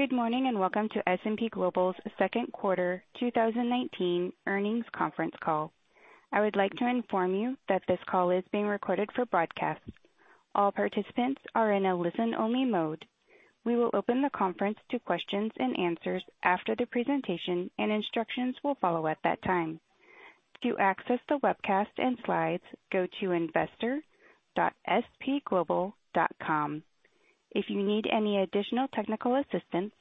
Good morning, welcome to S&P Global's second quarter 2019 earnings conference call. I would like to inform you that this call is being recorded for broadcast. All participants are in a listen-only mode. We will open the conference to questions and answers after the presentation, and instructions will follow at that time. To access the webcast and slides, go to investor.spglobal.com. If you need any additional technical assistance,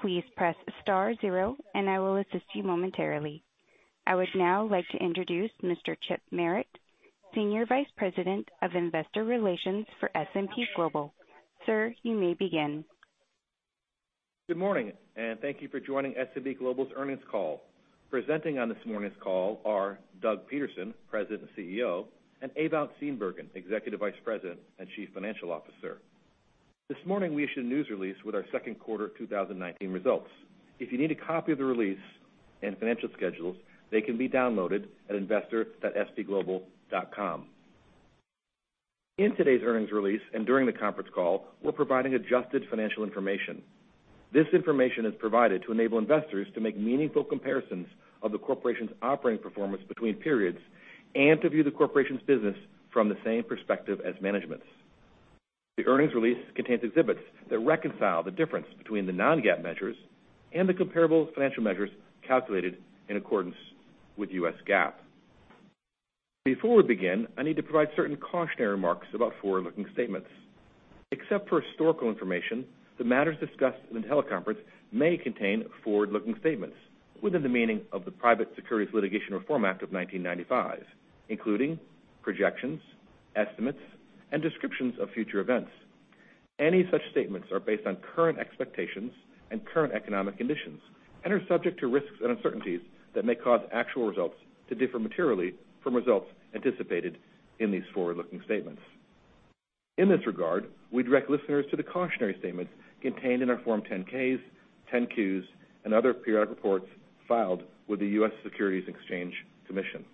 please press star zero and I will assist you momentarily. I would now like to introduce Mr. Chip Merritt, Senior Vice President of Investor Relations for S&P Global. Sir, you may begin. Good morning, and thank you for joining S&P Global's earnings call. Presenting on this morning's call are Doug Peterson, President and CEO, and Ewout Steenbergen, Executive Vice President and Chief Financial Officer. This morning, we issued a news release with our second quarter 2019 results. If you need a copy of the release and financial schedules, they can be downloaded at investor.spglobal.com. In today's earnings release and during the conference call, we're providing adjusted financial information. This information is provided to enable investors to make meaningful comparisons of the corporation's operating performance between periods and to view the corporation's business from the same perspective as management's. The earnings release contains exhibits that reconcile the difference between the non-GAAP measures and the comparable financial measures calculated in accordance with U.S. GAAP. Before we begin, I need to provide certain cautionary remarks about forward-looking statements. Except for historical information, the matters discussed in the teleconference may contain forward-looking statements within the meaning of the Private Securities Litigation Reform Act of 1995, including projections, estimates, and descriptions of future events. Any such statements are based on current expectations and current economic conditions and are subject to risks and uncertainties that may cause actual results to differ materially from results anticipated in these forward-looking statements. In this regard, we direct listeners to the cautionary statements contained in our Form 10-K, 10-Qs, and other periodic reports filed with the U.S. Securities and Exchange Commission.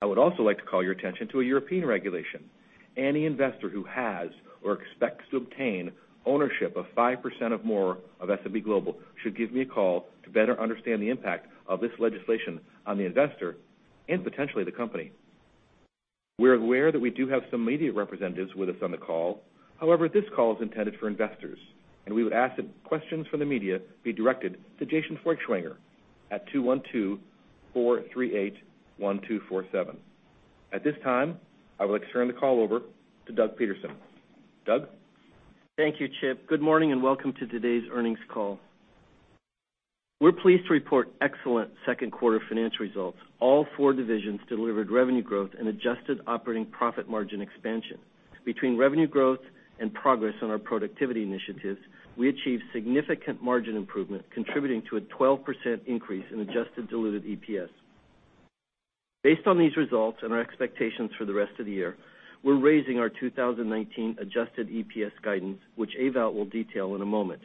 I would also like to call your attention to a European regulation. Any investor who has or expects to obtain ownership of 5% or more of S&P Global should give me a call to better understand the impact of this legislation on the investor and potentially the company. We're aware that we do have some media representatives with us on the call. However, this call is intended for investors, and we would ask that questions from the media be directed to Jason Fleischmann at 212-438-1247. At this time, I would like to turn the call over to Doug Peterson. Doug? Thank you, Chip. Good morning and welcome to today's earnings call. We're pleased to report excellent second quarter financial results. All four divisions delivered revenue growth and adjusted operating profit margin expansion. Between revenue growth and progress on our productivity initiatives, we achieved significant margin improvement, contributing to a 12% increase in adjusted diluted EPS. Based on these results and our expectations for the rest of the year, we're raising our 2019 adjusted EPS guidance, which Ewout will detail in a moment.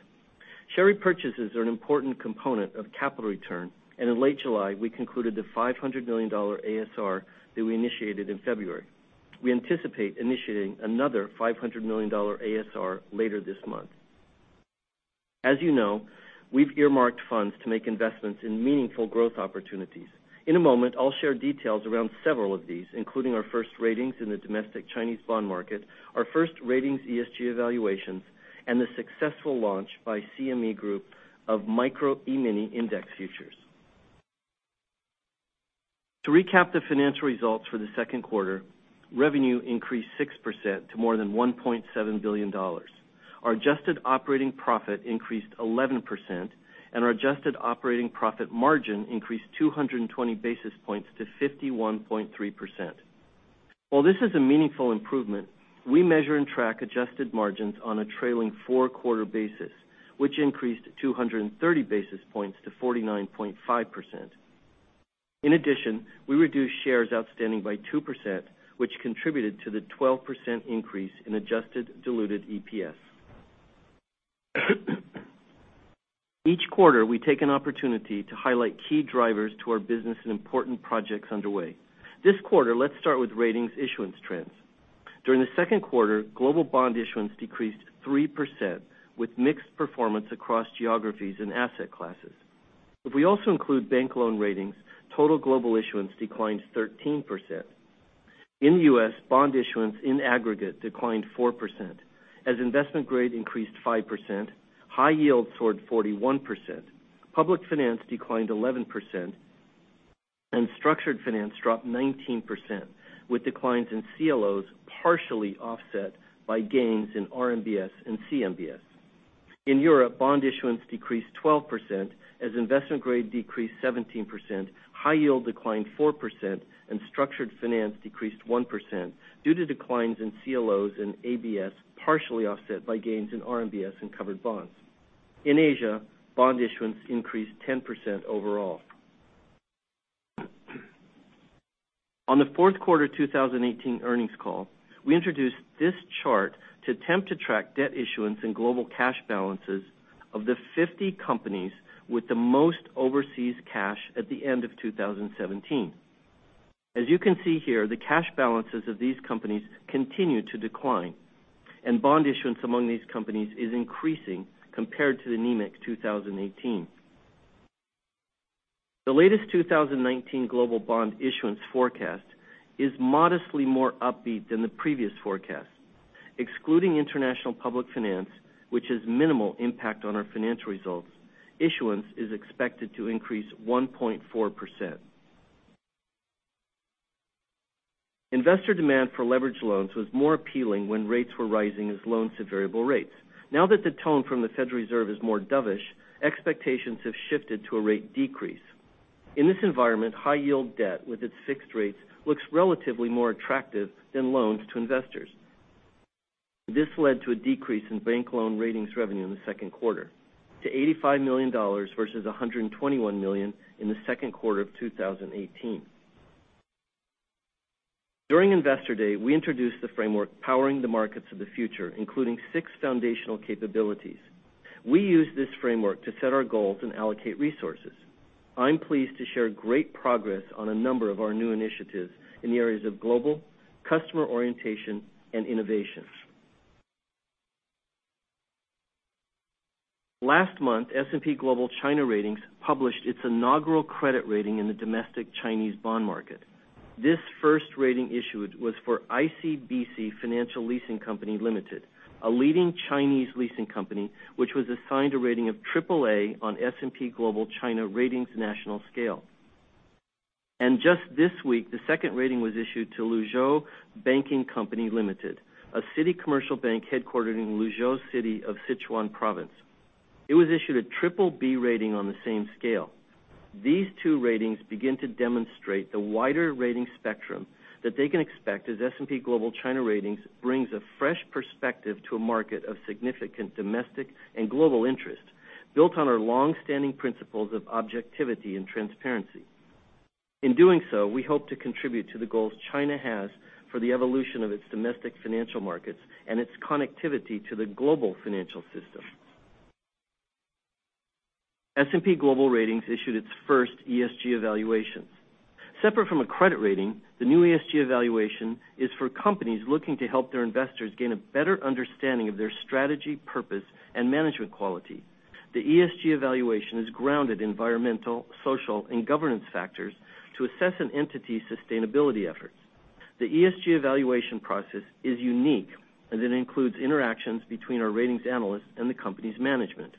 Share repurchases are an important component of capital return, and in late July, we concluded the $500 million ASR that we initiated in February. We anticipate initiating another $500 million ASR later this month. As you know, we've earmarked funds to make investments in meaningful growth opportunities. In a moment, I'll share details around several of these, including our first ratings in the domestic Chinese bond market, our first ratings ESG evaluations, and the successful launch by CME Group of Micro E-mini index futures. To recap the financial results for the second quarter, revenue increased 6% to more than $1.7 billion. Our adjusted operating profit increased 11%, and our adjusted operating profit margin increased 220 basis points to 51.3%. While this is a meaningful improvement, we measure and track adjusted margins on a trailing four-quarter basis, which increased 230 basis points to 49.5%. In addition, we reduced shares outstanding by 2%, which contributed to the 12% increase in adjusted diluted EPS. Each quarter, we take an opportunity to highlight key drivers to our business and important projects underway. This quarter, let's start with ratings issuance trends. During the second quarter, global bond issuance decreased 3% with mixed performance across geographies and asset classes. If we also include bank loan ratings, total global issuance declines 13%. In the U.S., bond issuance in aggregate declined 4% as investment grade increased 5%, high yield soared 41%, public finance declined 11%, and structured finance dropped 19%, with declines in CLOs partially offset by gains in RMBS and CMBS. In Europe, bond issuance decreased 12% as investment grade decreased 17%, high yield declined 4%, and structured finance decreased 1% due to declines in CLOs and ABS, partially offset by gains in RMBS and covered bonds. In Asia, bond issuance increased 10% overall. On the fourth quarter 2018 earnings call, we introduced this chart to attempt to track debt issuance and global cash balances of the 50 companies with the most overseas cash at the end of 2017. As you can see here, the cash balances of these companies continue to decline, and bond issuance among these companies is increasing compared to the NMTC 2018. The latest 2019 global bond issuance forecast is modestly more upbeat than the previous forecast. Excluding international public finance, which has minimal impact on our financial results, issuance is expected to increase 1.4%. Investor demand for leveraged loans was more appealing when rates were rising as loans to variable rates. Now that the tone from the Federal Reserve is more dovish, expectations have shifted to a rate decrease. In this environment, high yield debt with its fixed rates looks relatively more attractive than loans to investors. This led to a decrease in bank loan ratings revenue in the second quarter to $85 million versus $121 million in the second quarter of 2018. During Investor Day, we introduced the framework, Powering the Markets of the Future, including six foundational capabilities. We use this framework to set our goals and allocate resources. I'm pleased to share great progress on a number of our new initiatives in the areas of global, customer orientation, and innovation. Last month, S&P Global China Ratings published its inaugural credit rating in the domestic Chinese bond market. This first rating issued was for ICBC Financial Leasing Company Ltd, a leading Chinese leasing company, which was assigned a rating of AAA on S&P Global China Ratings' national scale. Just this week, the second rating was issued to Luzhou Bank Company Ltd, a city commercial bank headquartered in Luzhou City of Sichuan Province. It was issued a BBB rating on the same scale. These two ratings begin to demonstrate the wider rating spectrum that they can expect as S&P Global (China) Ratings brings a fresh perspective to a market of significant domestic and global interest, built on our long-standing principles of objectivity and transparency. In doing so, we hope to contribute to the goals China has for the evolution of its domestic financial markets and its connectivity to the global financial system. S&P Global Ratings issued its first ESG evaluations. Separate from a credit rating, the new ESG evaluation is for companies looking to help their investors gain a better understanding of their strategy, purpose, and management quality. The ESG evaluation is grounded in environmental, social, and governance factors to assess an entity's sustainability efforts. The ESG evaluation process is unique and it includes interactions between our ratings analysts and the company's management.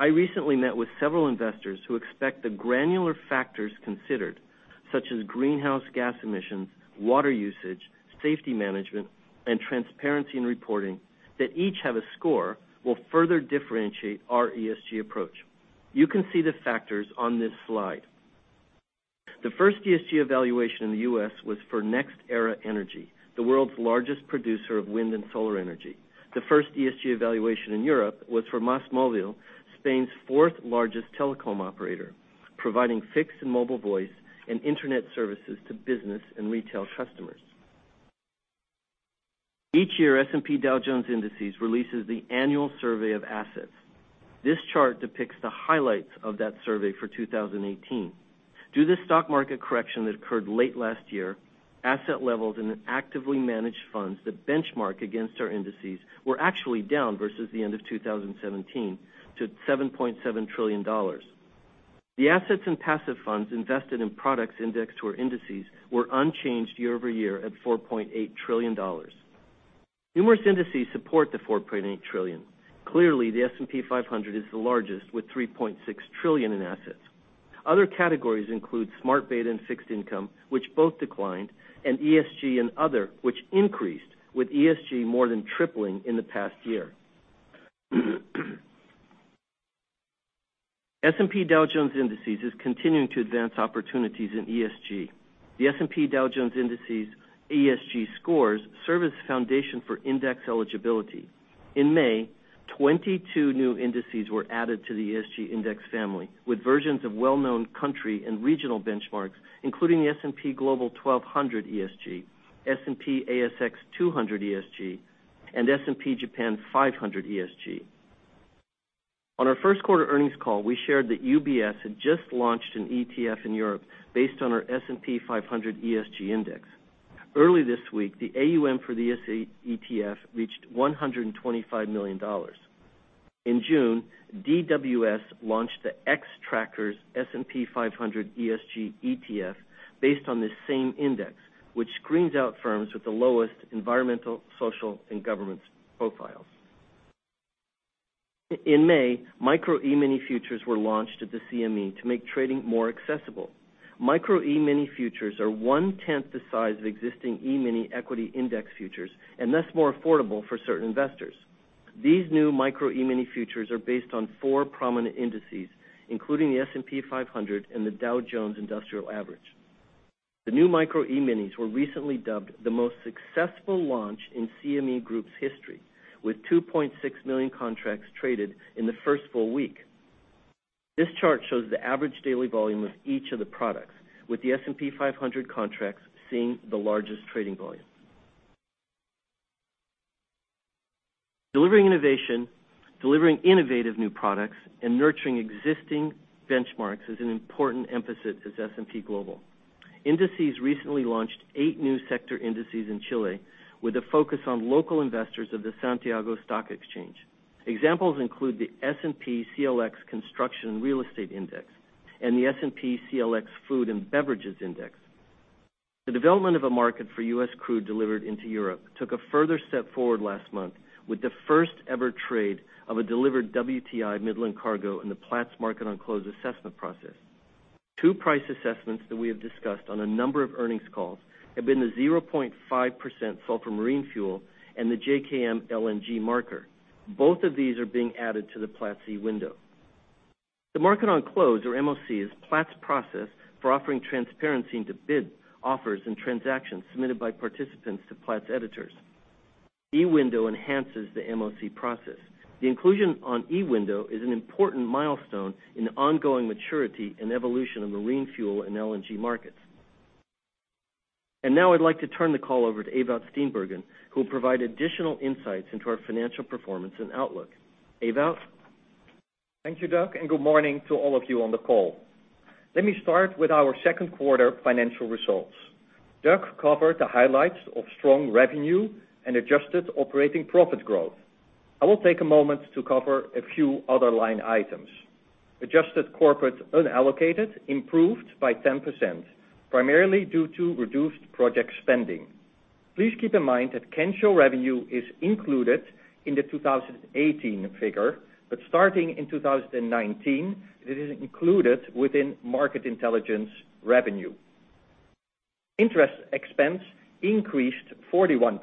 I recently met with several investors who expect the granular factors considered, such as greenhouse gas emissions, water usage, safety management, and transparency in reporting, that each have a score will further differentiate our ESG approach. You can see the factors on this slide. The first ESG evaluation in the U.S. was for NextEra Energy, the world's largest producer of wind and solar energy. The first ESG evaluation in Europe was for MásMóvil, Spain's fourth largest telecom operator, providing fixed and mobile voice and internet services to business and retail customers. Each year, S&P Dow Jones Indices releases the annual survey of assets. This chart depicts the highlights of that survey for 2018. Due to the stock market correction that occurred late last year, asset levels in actively managed funds that benchmark against our indices were actually down versus the end of 2017 to $7.7 trillion. The assets in passive funds invested in products indexed to our indices were unchanged year-over-year at $4.8 trillion. Numerous indices support the $4.8 trillion. Clearly, the S&P 500 is the largest with $3.6 trillion in assets. Other categories include smart beta and fixed income, which both declined, and ESG and other, which increased, with ESG more than tripling in the past year. S&P Dow Jones Indices is continuing to advance opportunities in ESG. The S&P Dow Jones Indices ESG scores serve as the foundation for index eligibility. In May, 22 new indices were added to the ESG index family, with versions of well-known country and regional benchmarks, including the S&P Global 1200 ESG, S&P/ASX 200 ESG, and S&P Japan 500 ESG. On our first quarter earnings call, we shared that UBS had just launched an ETF in Europe based on our S&P 500 ESG Index. Early this week, the AUM for the S&P ETF reached $125 million. In June, DWS launched the Xtrackers S&P 500 ESG ETF based on this same index, which screens out firms with the lowest environmental, social, and governance profiles. In May, Micro E-mini Futures were launched at the CME to make trading more accessible. Micro E-mini Futures are one-tenth the size of existing E-mini equity index futures and thus more affordable for certain investors. These new Micro E-mini Futures are based on four prominent indices, including the S&P 500 and the Dow Jones Industrial Average. The new Micro E-minis were recently dubbed the most successful launch in CME Group's history, with 2.6 million contracts traded in the first full week. This chart shows the average daily volume of each of the products, with the S&P 500 contracts seeing the largest trading volume. Delivering innovative new products and nurturing existing benchmarks is an important emphasis at S&P Global. Indices recently launched eight new sector indices in Chile with a focus on local investors of the Santiago Stock Exchange. Examples include the S&P/CLX Construction & Real Estate Index and the S&P/CLX Food & Beverage Index. The development of a market for U.S. crude delivered into Europe took a further step forward last month with the first-ever trade of a delivered WTI Midland cargo in the Platts Market on Close assessment process. Two price assessments that we have discussed on a number of earnings calls have been the 0.5% sulfur marine fuel and the JKM LNG marker. Both of these are being added to the Platts eWindow. The Market on Close, or MoC, is Platts process for offering transparency into bid offers and transactions submitted by participants to Platts editors. eWindow enhances the MoC process. The inclusion on eWindow is an important milestone in the ongoing maturity and evolution of marine fuel and LNG markets. Now I'd like to turn the call over to Ewout Steenbergen, who will provide additional insights into our financial performance and outlook. Ewout? Thank you, Doug. Good morning to all of you on the call. Let me start with our second quarter financial results. Doug covered the highlights of strong revenue and adjusted operating profit growth. I will take a moment to cover a few other line items. Adjusted corporate unallocated improved by 10%, primarily due to reduced project spending. Please keep in mind that Kensho revenue is included in the 2018 figure, but starting in 2019, it is included within Market Intelligence revenue. Interest expense increased 41%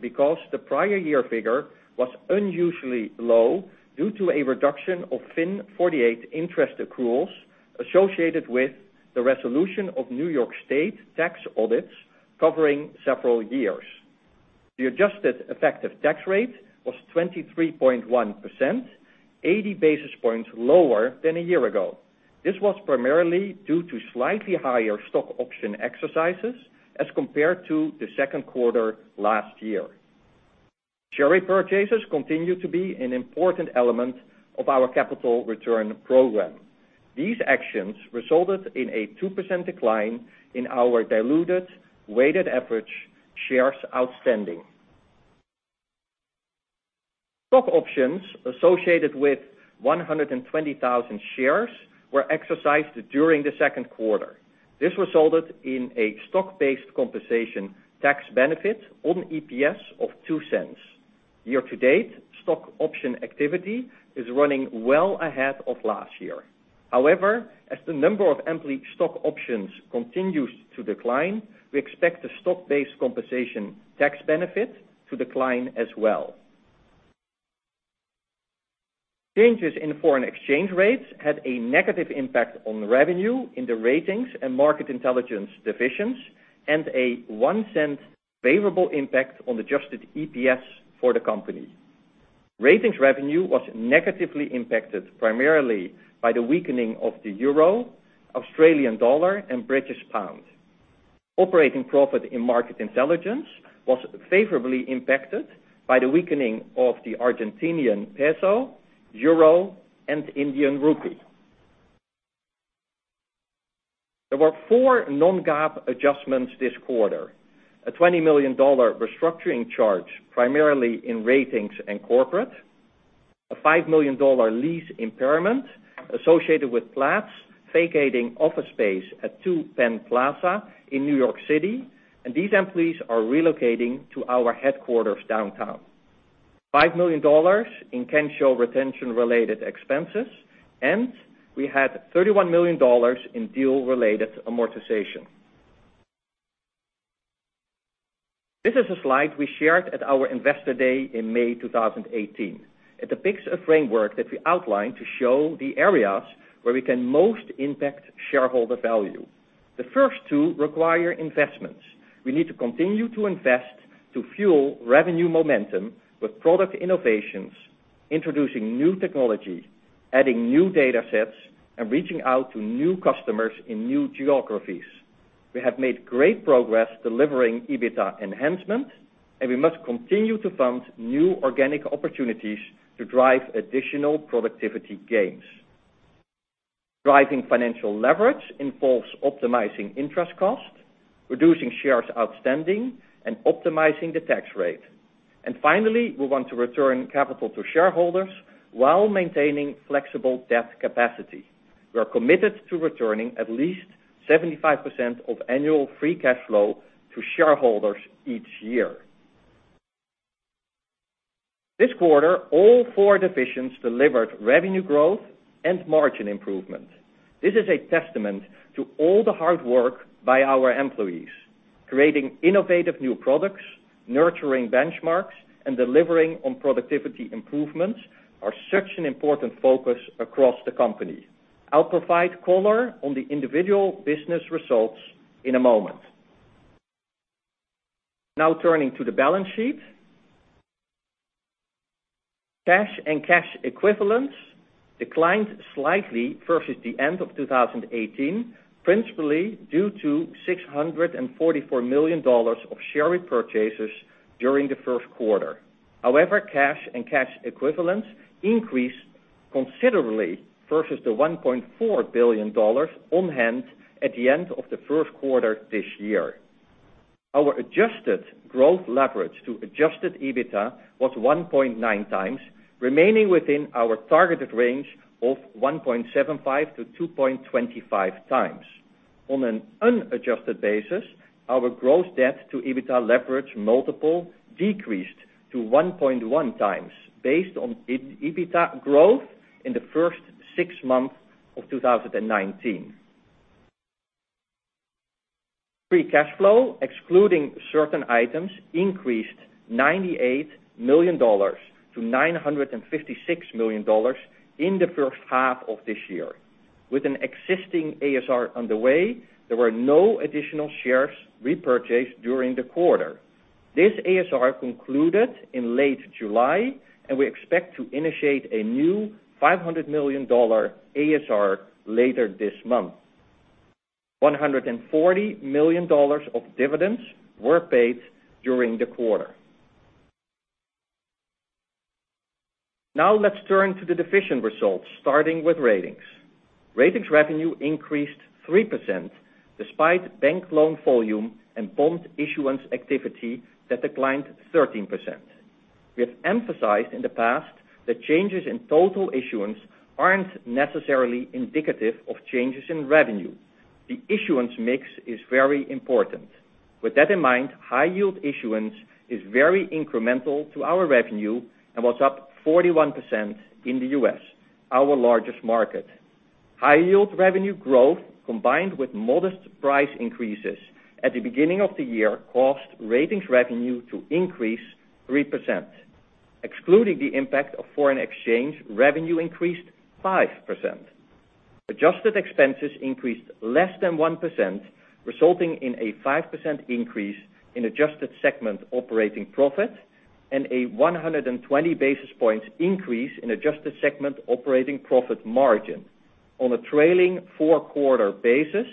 because the prior year figure was unusually low due to a reduction of FIN 48 interest accruals associated with the resolution of New York State tax audits covering several years. The adjusted effective tax rate was 23.1%, 80 basis points lower than a year ago. This was primarily due to slightly higher stock option exercises as compared to the second quarter last year. Share purchases continue to be an important element of our capital return program. These actions resulted in a 2% decline in our diluted weighted average shares outstanding. Stock options associated with 120,000 shares were exercised during the second quarter. This resulted in a stock-based compensation tax benefit on EPS of $0.02. Year to date, stock option activity is running well ahead of last year. As the number of employee stock options continues to decline, we expect the stock-based compensation tax benefit to decline as well. Changes in foreign exchange rates had a negative impact on revenue in the Ratings and Market Intelligence divisions, and a $0.01 favorable impact on adjusted EPS for the company. Ratings revenue was negatively impacted primarily by the weakening of the euro, Australian dollar, and British pound. Operating profit in Market Intelligence was favorably impacted by the weakening of the Argentinian peso, euro, and Indian rupee. There were four non-GAAP adjustments this quarter. A $20 million restructuring charge, primarily in Ratings and corporate. A $5 million lease impairment associated with Platts vacating office space at Two Penn Plaza in New York City. These employees are relocating to our headquarters downtown. $5 million in Kensho retention-related expenses. We had $31 million in deal-related amortization. This is a slide we shared at our Investor Day in May 2018. It depicts a framework that we outlined to show the areas where we can most impact shareholder value. The first two require investments. We need to continue to invest to fuel revenue momentum with product innovations, introducing new technology, adding new data sets, and reaching out to new customers in new geographies. We have made great progress delivering EBITDA enhancement. We must continue to fund new organic opportunities to drive additional productivity gains. Driving financial leverage involves optimizing interest costs, reducing shares outstanding, and optimizing the tax rate. Finally, we want to return capital to shareholders while maintaining flexible debt capacity. We're committed to returning at least 75% of annual free cash flow to shareholders each year. This quarter, all four divisions delivered revenue growth and margin improvement. This is a testament to all the hard work by our employees. Creating innovative new products, nurturing benchmarks, and delivering on productivity improvements are such an important focus across the company. I'll provide color on the individual business results in a moment. Turning to the balance sheet. Cash and cash equivalents declined slightly versus the end of 2018, principally due to $644 million of share repurchases during the first quarter. Cash and cash equivalents increased considerably versus the $1.4 billion on hand at the end of the first quarter this year. Our adjusted gross leverage to adjusted EBITDA was 1.9 times, remaining within our targeted range of 1.75 to 2.25 times. On an unadjusted basis, our gross debt to EBITDA leverage multiple decreased to 1.1 times, based on EBITDA growth in the first six months of 2019. Free cash flow, excluding certain items, increased $98 million to $956 million in the first half of this year. With an existing ASR underway, there were no additional shares repurchased during the quarter. This ASR concluded in late July, we expect to initiate a new $500 million ASR later this month. $140 million of dividends were paid during the quarter. Let's turn to the division results, starting with Ratings. Ratings revenue increased 3% despite bank loan volume and bond issuance activity that declined 13%. We have emphasized in the past that changes in total issuance aren't necessarily indicative of changes in revenue. The issuance mix is very important. With that in mind, high yield issuance is very incremental to our revenue and was up 41% in the U.S., our largest market. High yield revenue growth, combined with modest price increases at the beginning of the year, caused ratings revenue to increase 3%. Excluding the impact of foreign exchange, revenue increased 5%. Adjusted expenses increased less than 1%, resulting in a 5% increase in adjusted segment operating profit and a 120 basis points increase in adjusted segment operating profit margin. On a trailing four-quarter basis,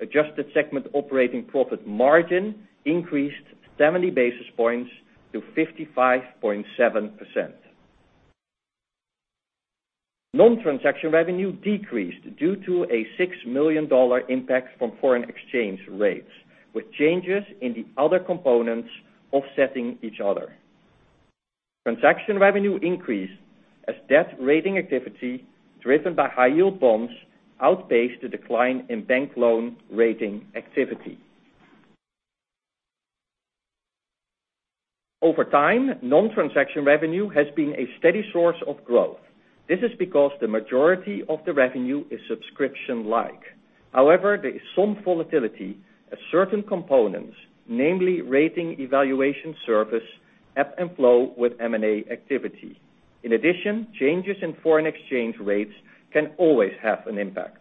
adjusted segment operating profit margin increased 70 basis points to 55.7%. Non-transaction revenue decreased due to a $6 million impact from foreign exchange rates, with changes in the other components offsetting each other. Transaction revenue increased as debt rating activity, driven by high yield bonds, outpaced the decline in bank loan rating activity. Over time, non-transaction revenue has been a steady source of growth. This is because the majority of the revenue is subscription-like. However, there is some volatility as certain components, namely Rating Evaluation Service, ebb and flow with M&A activity. In addition, changes in foreign exchange rates can always have an impact.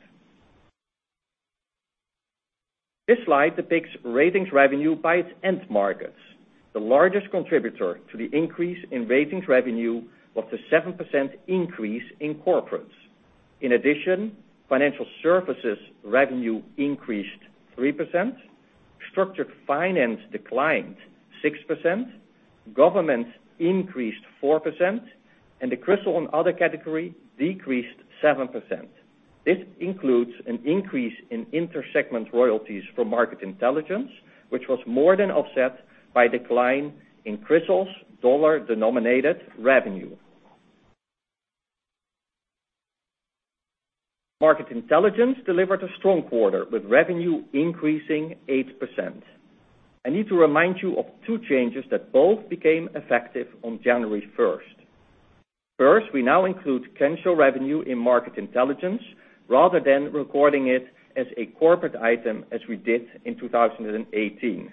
This slide depicts ratings revenue by its end markets. The largest contributor to the increase in ratings revenue was the 7% increase in corporates. In addition, financial services revenue increased 3%, structured finance declined 6%, governments increased 4%, and the CRISIL and other category decreased 7%. This includes an increase in inter-segment royalties for Market Intelligence, which was more than offset by decline in CRISIL's dollar-denominated revenue. Market Intelligence delivered a strong quarter, with revenue increasing 8%. I need to remind you of two changes that both became effective on January 1st. First, we now include Kensho revenue in Market Intelligence rather than recording it as a corporate item as we did in 2018.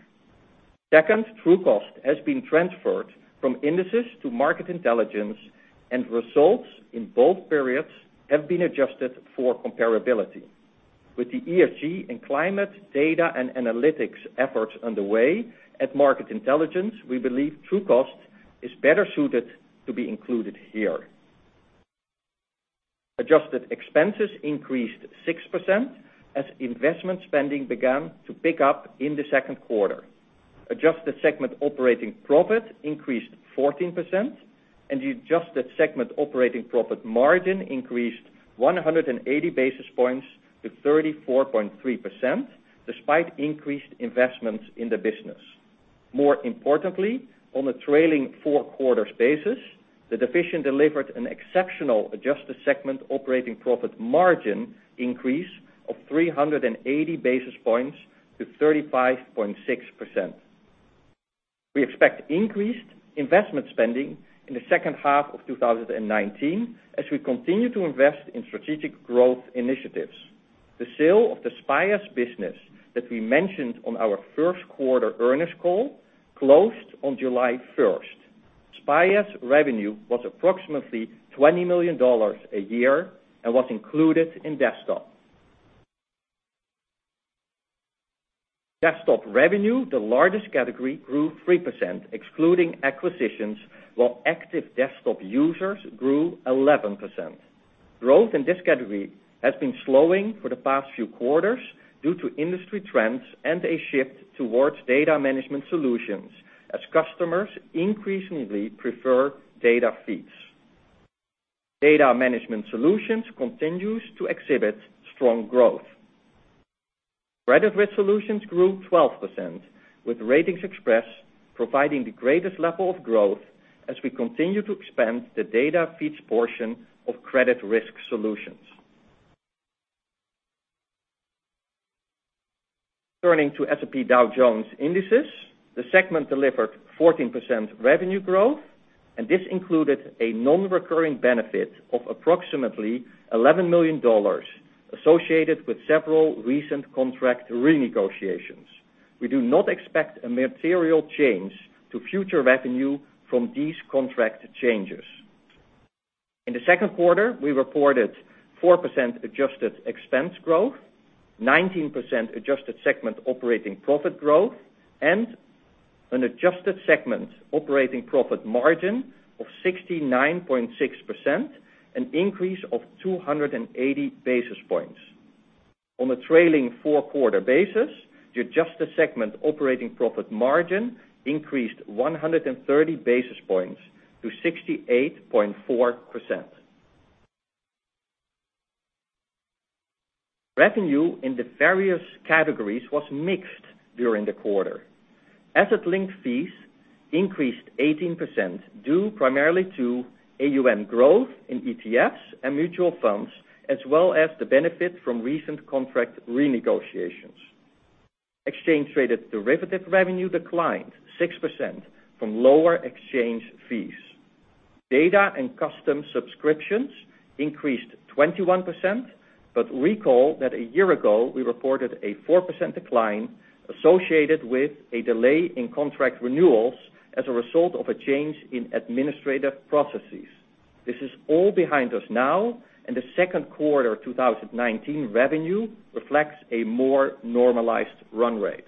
Second, Trucost has been transferred from indices to Market Intelligence, and results in both periods have been adjusted for comparability. With the ESG and climate data and analytics efforts underway at Market Intelligence, we believe Trucost is better suited to be included here. Adjusted expenses increased 6% as investment spending began to pick up in the second quarter. Adjusted segment operating profit increased 14%, and the adjusted segment operating profit margin increased 180 basis points to 34.3%, despite increased investments in the business. More importantly, on a trailing four-quarters basis, the division delivered an exceptional adjusted segment operating profit margin increase of 380 basis points to 35.6%. We expect increased investment spending in the second half of 2019 as we continue to invest in strategic growth initiatives. The sale of the SPIAS business that we mentioned on our first quarter earnings call closed on July 1st. SPIAS revenue was approximately $20 million a year and was included in desktop. Desktop revenue, the largest category, grew 3%, excluding acquisitions, while active desktop users grew 11%. Growth in this category has been slowing for the past few quarters due to industry trends and a shift towards data management solutions, as customers increasingly prefer data feeds. Data management solutions continues to exhibit strong growth. Credit risk solutions grew 12%, with RatingsXpress providing the greatest level of growth as we continue to expand the data feeds portion of credit risk solutions. Turning to S&P Dow Jones Indices, the segment delivered 14% revenue growth, and this included a non-recurring benefit of approximately $11 million associated with several recent contract renegotiations. We do not expect a material change to future revenue from these contract changes. In the second quarter, we reported 4% adjusted expense growth, 19% adjusted segment operating profit growth, and an adjusted segment operating profit margin of 69.6%, an increase of 280 basis points. On a trailing four-quarter basis, the adjusted segment operating profit margin increased 130 basis points to 68.4%. Revenue in the various categories was mixed during the quarter. Asset link fees increased 18%, due primarily to AUM growth in ETFs and mutual funds, as well as the benefit from recent contract renegotiations. Exchange-traded derivative revenue declined 6% from lower exchange fees. Recall that a year ago, we reported a 4% decline associated with a delay in contract renewals as a result of a change in administrative processes. This is all behind us now, the second quarter 2019 revenue reflects a more normalized run rate.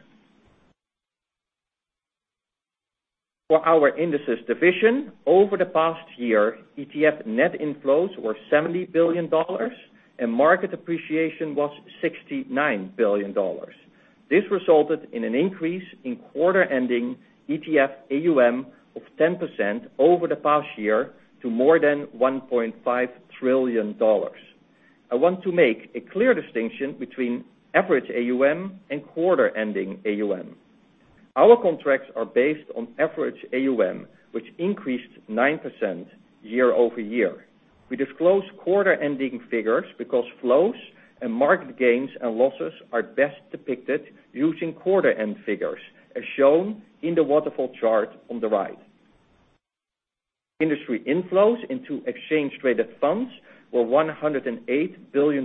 For our Indices division, over the past year, ETF net inflows were $70 billion. Market appreciation was $69 billion. This resulted in an increase in quarter-ending ETF AUM of 10% over the past year to more than $1.5 trillion. I want to make a clear distinction between average AUM and quarter-ending AUM. Our contracts are based on average AUM, which increased 9% year-over-year. We disclose quarter-ending figures because flows and market gains and losses are best depicted using quarter-end figures, as shown in the waterfall chart on the right. Industry inflows into exchange-traded funds were $108 billion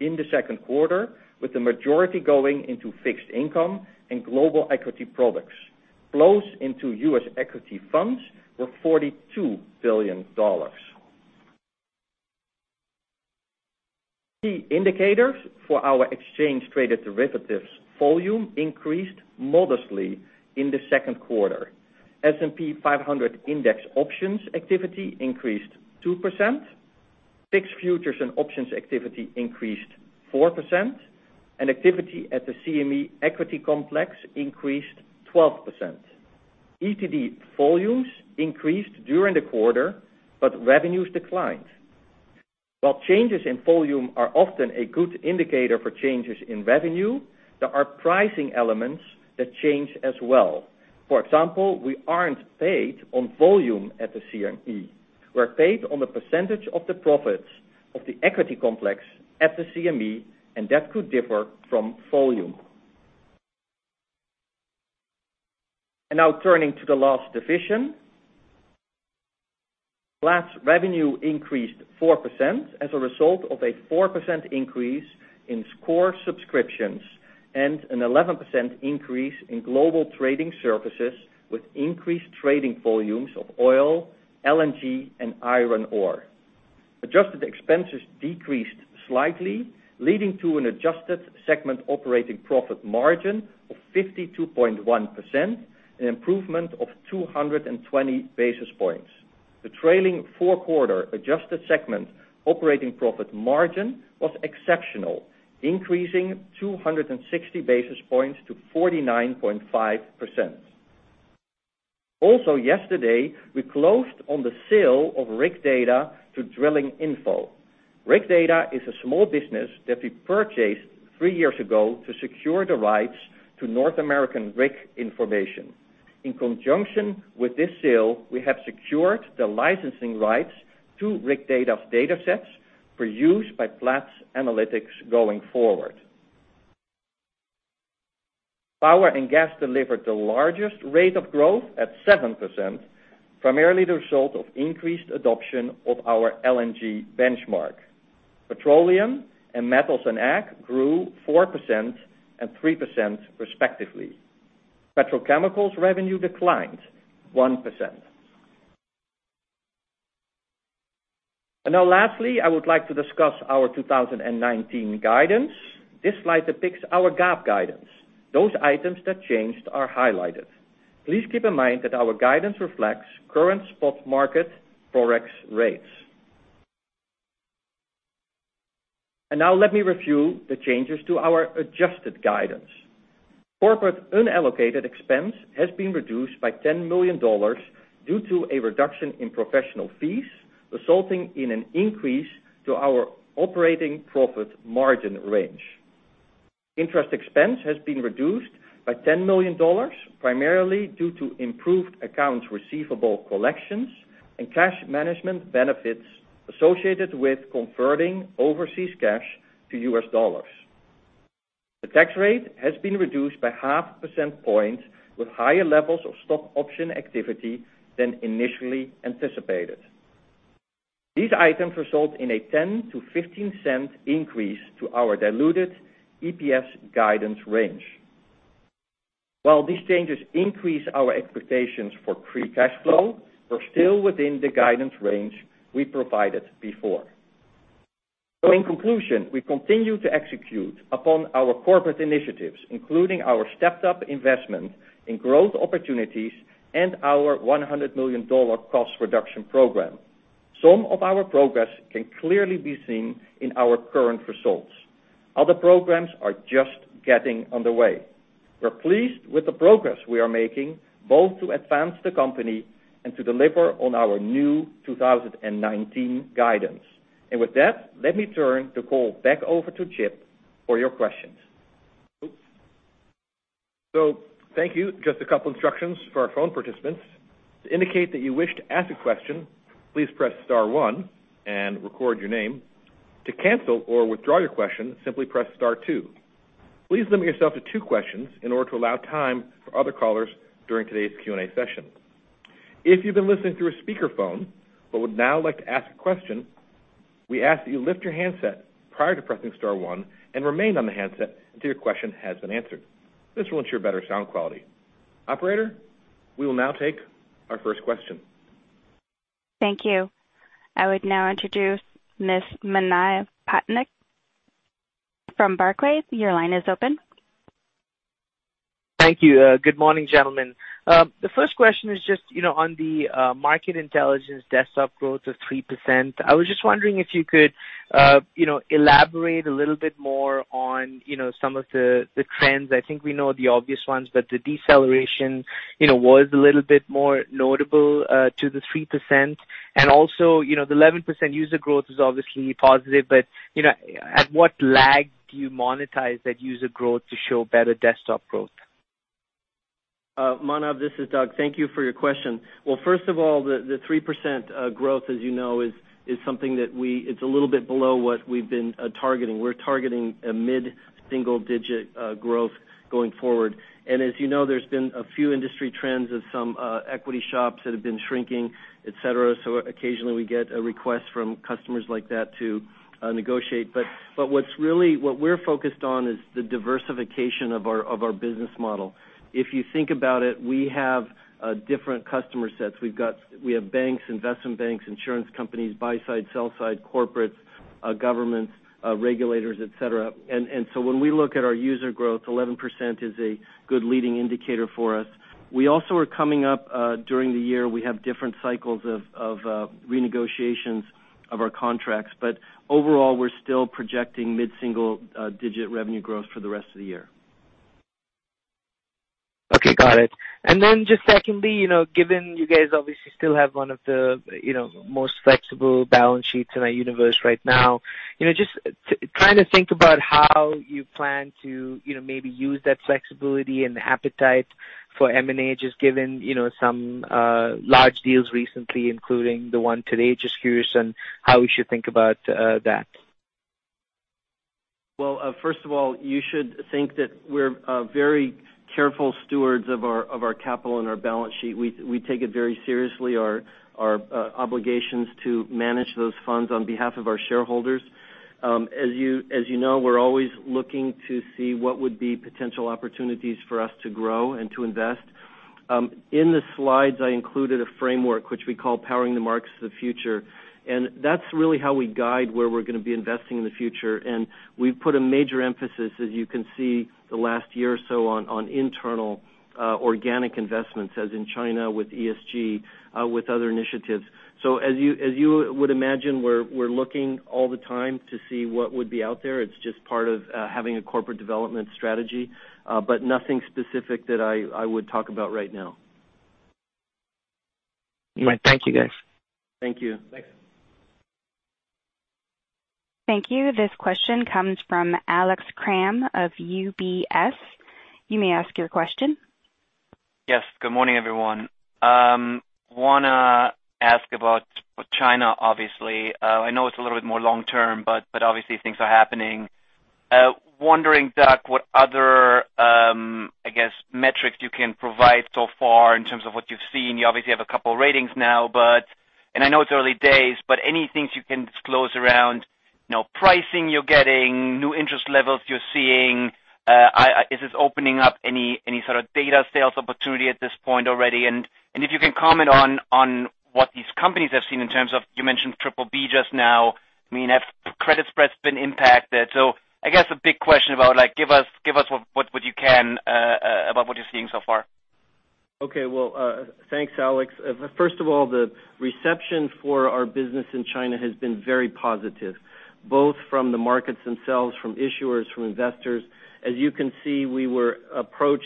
in the second quarter, with the majority going into fixed income and global equity products. Flows into U.S. equity funds were $42 billion. Key indicators for our exchange-traded derivatives volume increased modestly in the second quarter. S&P 500 index options activity increased 2%, fixed futures and options activity increased 4%, and activity at the CME equity complex increased 12%. ETD volumes increased during the quarter, but revenues declined. While changes in volume are often a good indicator for changes in revenue, there are pricing elements that change as well. For example, we aren't paid on volume at the CME. We're paid on a percentage of the profits of the equity complex at the CME, and that could differ from volume. Now turning to the last division. Platts' revenue increased 4% as a result of a 4% increase in core subscriptions and an 11% increase in global trading services with increased trading volumes of oil, LNG, and iron ore. Adjusted expenses decreased slightly, leading to an adjusted segment operating profit margin of 52.1%, an improvement of 220 basis points. The trailing four-quarter adjusted segment operating profit margin was exceptional, increasing 260 basis points to 49.5%. Also yesterday, we closed on the sale of RigData to Drillinginfo. RigData is a small business that we purchased three years ago to secure the rights to North American rig information. In conjunction with this sale, we have secured the licensing rights to RigData's datasets for use by Platts Analytics going forward. Power and gas delivered the largest rate of growth at 7%, primarily the result of increased adoption of our LNG benchmark. Petroleum and metals and ag grew 4% and 3% respectively. Petrochemicals revenue declined 1%. Now lastly, I would like to discuss our 2019 guidance. This slide depicts our GAAP guidance. Those items that changed are highlighted. Please keep in mind that our guidance reflects current spot market Forex rates. Now let me review the changes to our adjusted guidance. Corporate unallocated expense has been reduced by $10 million due to a reduction in professional fees, resulting in an increase to our operating profit margin range. Interest expense has been reduced by $10 million, primarily due to improved accounts receivable collections and cash management benefits associated with converting overseas cash to US dollars. The tax rate has been reduced by half a percent point with higher levels of stock option activity than initially anticipated. These items result in a $0.10-$0.15 increase to our diluted EPS guidance range. These changes increase our expectations for free cash flow, we're still within the guidance range we provided before. In conclusion, we continue to execute upon our corporate initiatives, including our stepped-up investment in growth opportunities and our $100 million cost reduction program. Some of our progress can clearly be seen in our current results. Other programs are just getting underway. We're pleased with the progress we are making, both to advance the company and to deliver on our new 2019 guidance. With that, let me turn the call back over to Chip for your questions. Thank you. Just a couple instructions for our phone participants. To indicate that you wish to ask a question, please press star one and record your name. To cancel or withdraw your question, simply press star two. Please limit yourself to two questions in order to allow time for other callers during today's Q&A session. If you've been listening through a speakerphone but would now like to ask a question, we ask that you lift your handset prior to pressing star one and remain on the handset until your question has been answered. This will ensure better sound quality. Operator, we will now take our first question. Thank you. I would now introduce Ms. Manav Patnaik from Barclays. Your line is open. Thank you. Good morning, gentlemen. The first question is just on the Market Intelligence desktop growth of 3%. I was just wondering if you could elaborate a little bit more on some of the trends. I think we know the obvious ones, but the deceleration was a little bit more notable to the 3%. Also, the 11% user growth is obviously positive, but at what lag do you monetize that user growth to show better desktop growth? Manav, this is Doug. Thank you for your question. Well, first of all, the 3% growth, as you know, it's a little bit below what we've been targeting. We're targeting a mid-single digit growth going forward. As you know, there's been a few industry trends of some equity shops that have been shrinking, et cetera. Occasionally we get a request from customers like that to negotiate. What we're focused on is the diversification of our business model. If you think about it, we have different customer sets. We have banks, investment banks, insurance companies, buy side, sell side, corporates, governments, regulators, et cetera. When we look at our user growth, 11% is a good leading indicator for us. We also are coming up during the year, we have different cycles of renegotiations of our contracts. Overall, we're still projecting mid-single digit revenue growth for the rest of the year. Okay, got it. Just secondly, given you guys obviously still have one of the most flexible balance sheets in our universe right now, just trying to think about how you plan to maybe use that flexibility and the appetite for M&A, just given some large deals recently, including the one today. Just curious on how we should think about that. First of all, you should think that we're very careful stewards of our capital and our balance sheet. We take it very seriously, our obligations to manage those funds on behalf of our shareholders. As you know, we're always looking to see what would be potential opportunities for us to grow and to invest. In the slides, I included a framework which we call Powering the Markets of the Future, and that's really how we guide where we're going to be investing in the future. We've put a major emphasis, as you can see, the last year or so on internal organic investments, as in China with ESG, with other initiatives. As you would imagine, we're looking all the time to see what would be out there. It's just part of having a corporate development strategy. Nothing specific that I would talk about right now. Right. Thank you, guys. Thank you. Thanks. Thank you. This question comes from Alex Kramm of UBS. You may ask your question. Yes, good morning, everyone. Wanna ask about China, obviously. I know it's a little bit more long-term. Obviously things are happening. Wondering, Doug, what other, I guess, metrics you can provide so far in terms of what you've seen. You obviously have a couple of ratings now. I know it's early days, any things you can disclose around pricing you're getting, new interest levels you're seeing, is this opening up any sort of data sales opportunity at this point already? If you can comment on what these companies have seen in terms of, you mentioned BBB just now. Have credit spreads been impacted? I guess a big question about, give us what you can about what you're seeing so far. Okay. Well, thanks, Alex. First of all, the reception for our business in China has been very positive, both from the markets themselves, from issuers, from investors. As you can see, we were approached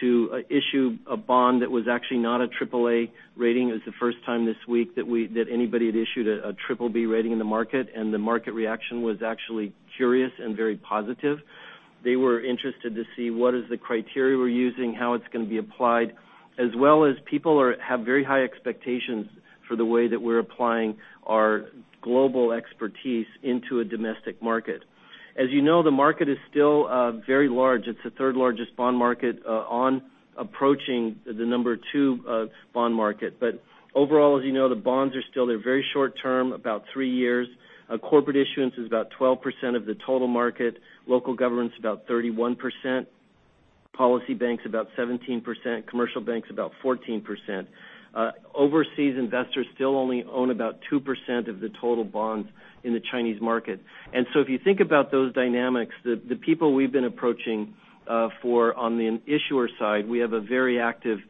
to issue a bond that was actually not a Triple A rating. It's the first time this week that anybody had issued a Triple B rating in the market, and the market reaction was actually curious and very positive. They were interested to see what is the criteria we're using, how it's going to be applied, as well as people have very high expectations for the way that we're applying our global expertise into a domestic market. As you know, the market is still very large. It's the third largest bond market on approaching the number two bond market. Overall, as you know, the bonds are still there, very short-term, about three years. Corporate issuance is about 12% of the total market, local government's about 31%, policy banks about 17%, commercial banks about 14%. Overseas investors still only own about 2% of the total bonds in the Chinese market. If you think about those dynamics, the people we've been approaching for on the issuer side, we have a very active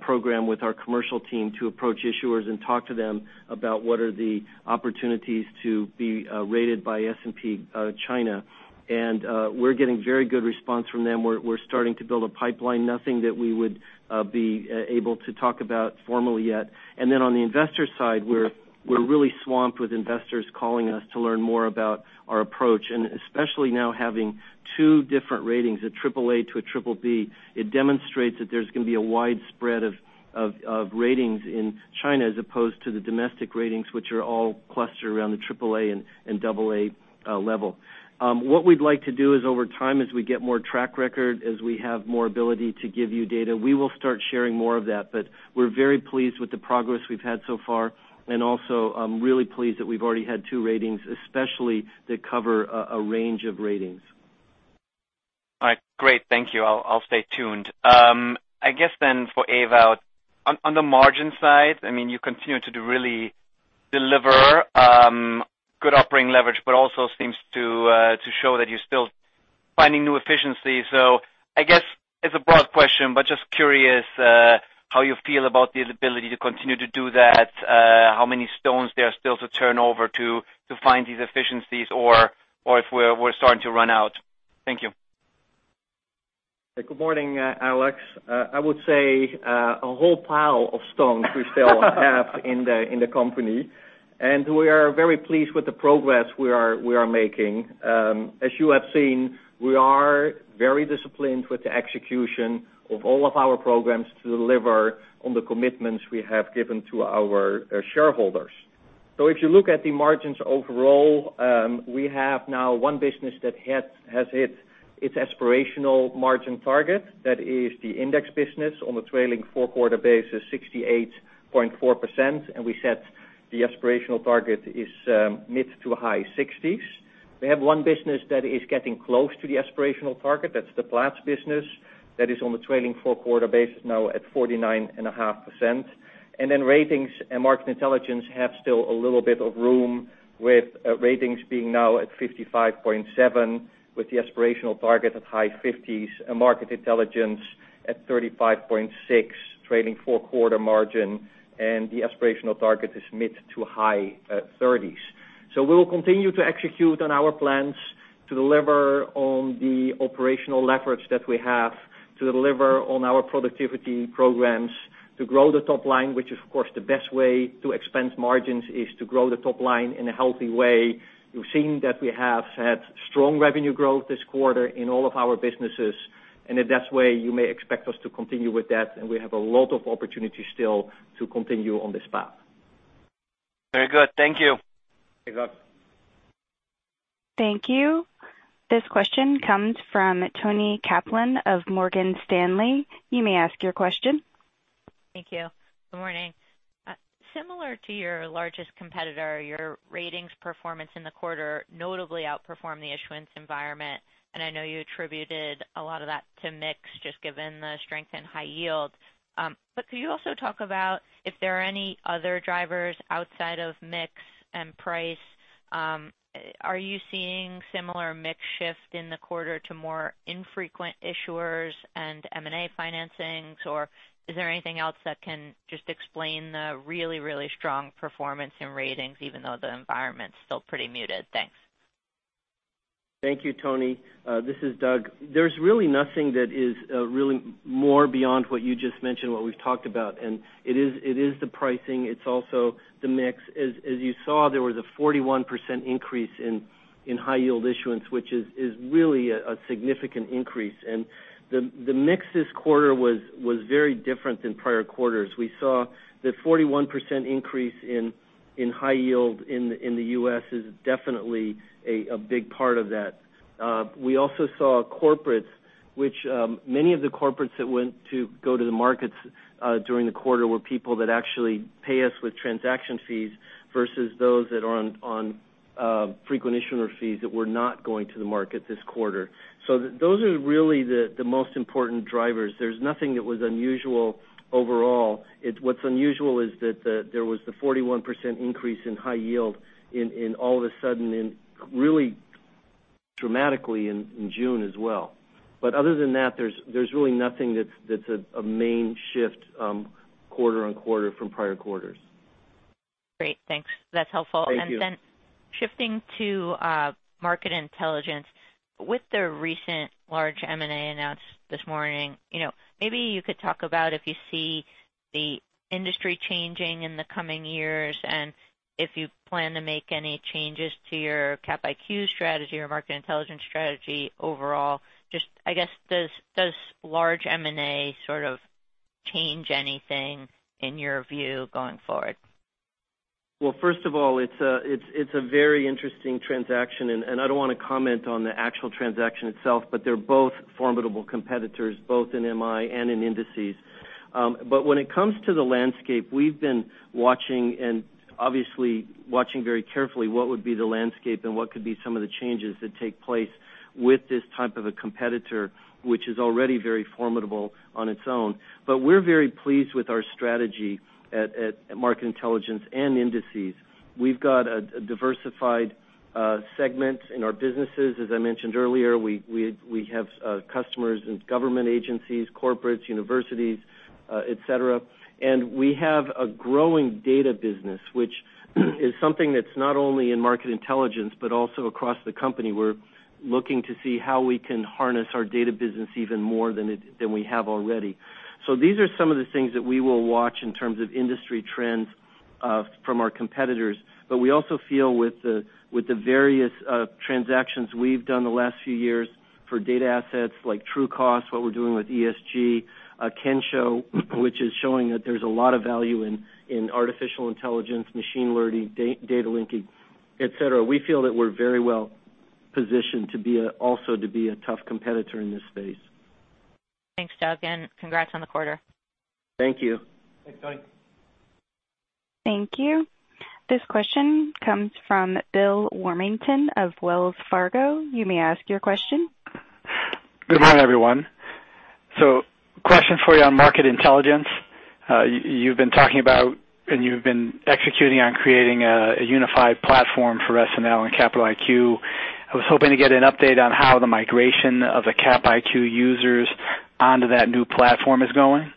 program with our commercial team to approach issuers and talk to them about what are the opportunities to be rated by S&P China. We're getting very good response from them. We're starting to build a pipeline. Nothing that we would be able to talk about formally yet. On the investor side, we're really swamped with investors calling us to learn more about our approach, especially now having two different ratings, a triple A to a triple B. It demonstrates that there's going to be a wide spread of ratings in China, as opposed to the domestic ratings, which are all clustered around the AAA and AA level. What we'd like to do is over time, as we get more track record, as we have more ability to give you data, we will start sharing more of that. We're very pleased with the progress we've had so far, and also, I'm really pleased that we've already had two ratings, especially that cover a range of ratings. All right. Great. Thank you. I'll stay tuned. I guess for Ewout, on the margin side, you continue to really deliver good operating leverage, but also seems to show that you're still finding new efficiency. I guess it's a broad question, but just curious how you feel about the ability to continue to do that, how many stones there are still to turn over to find these efficiencies or if we're starting to run out. Thank you. Good morning, Alex. I would say a whole pile of stones we still have in the company, and we are very pleased with the progress we are making. As you have seen, we are very disciplined with the execution of all of our programs to deliver on the commitments we have given to our shareholders. If you look at the margins overall, we have now one business that has hit its aspirational margin target. That is the index business on a trailing four-quarter basis, 68.4%, and we set the aspirational target is mid to high 60s. We have one business that is getting close to the aspirational target. That's the Platts business. That is on the trailing four-quarter basis now at 49.5%. Ratings and Market Intelligence have still a little bit of room, with Ratings being now at 55.7%, with the aspirational target at high 50s%, and Market Intelligence at 35.6% trailing four-quarter margin, and the aspirational target is mid to high 30s%. We will continue to execute on our plans to deliver on the operational leverage that we have to deliver on our productivity programs to grow the top line, which of course, the best way to expense margins is to grow the top line in a healthy way. You've seen that we have had strong revenue growth this quarter in all of our businesses, and in that way, you may expect us to continue with that, and we have a lot of opportunity still to continue on this path. Very good. Thank you. You're welcome. Thank you. This question comes from Toni Kaplan of Morgan Stanley. You may ask your question. Thank you. Good morning. Similar to your largest competitor, your ratings performance in the quarter notably outperformed the issuance environment, I know you attributed a lot of that to mix, just given the strength in high yield. Could you also talk about if there are any other drivers outside of mix and price? Are you seeing similar mix shift in the quarter to more infrequent issuers and M&A financings, or is there anything else that can just explain the really, really strong performance in ratings, even though the environment's still pretty muted? Thanks. Thank you, Toni. This is Doug. There's really nothing that is really more beyond what you just mentioned, what we've talked about. It is the pricing. It's also the mix. As you saw, there was a 41% increase in high yield issuance, which is really a significant increase. The mix this quarter was very different than prior quarters. We saw that 41% increase in high yield in the U.S. is definitely a big part of that. We also saw corporates. Many of the corporates that went to go to the markets during the quarter were people that actually pay us with transaction fees versus those that are on frequent issuer fees that were not going to the market this quarter. Those are really the most important drivers. There's nothing that was unusual overall. What's unusual is that there was the 41% increase in high yield all of a sudden, and really dramatically in June as well. Other than that, there's really nothing that's a main shift quarter-on-quarter from prior quarters. Great. Thanks. That's helpful. Thank you. Shifting to Market Intelligence, with the recent large M&A announced this morning, maybe you could talk about if you see the industry changing in the coming years, and if you plan to make any changes to your Capital IQ strategy or Market Intelligence strategy overall? Just, I guess, does large M&A sort of change anything in your view going forward? Well, first of all, it's a very interesting transaction, and I don't want to comment on the actual transaction itself, but they're both formidable competitors, both in MI and in Indices. When it comes to the landscape, we've been watching, and obviously watching very carefully, what would be the landscape and what could be some of the changes that take place with this type of a competitor, which is already very formidable on its own. We're very pleased with our strategy at Market Intelligence and Indices. We've got a diversified segment in our businesses. As I mentioned earlier, we have customers in government agencies, corporates, universities, et cetera. We have a growing data business, which is something that's not only in Market Intelligence, but also across the company. We're looking to see how we can harness our data business even more than we have already. These are some of the things that we will watch in terms of industry trends from our competitors. We also feel with the various transactions we've done the last few years for data assets like Trucost, what we're doing with ESG, Kensho, which is showing that there's a lot of value in artificial intelligence, machine learning, data linking, et cetera. We feel that we're very well-positioned also to be a tough competitor in this space. Thanks, Doug, and congrats on the quarter. Thank you. Thanks, Doug. Thank you. This question comes from Bill Warmington of Wells Fargo. You may ask your question. Good morning, everyone. Question for you on Market Intelligence. You've been talking about, and you've been executing on creating a unified platform for SNL and Capital IQ. I was hoping to get an update on how the migration of the Capital IQ users onto that new platform is going.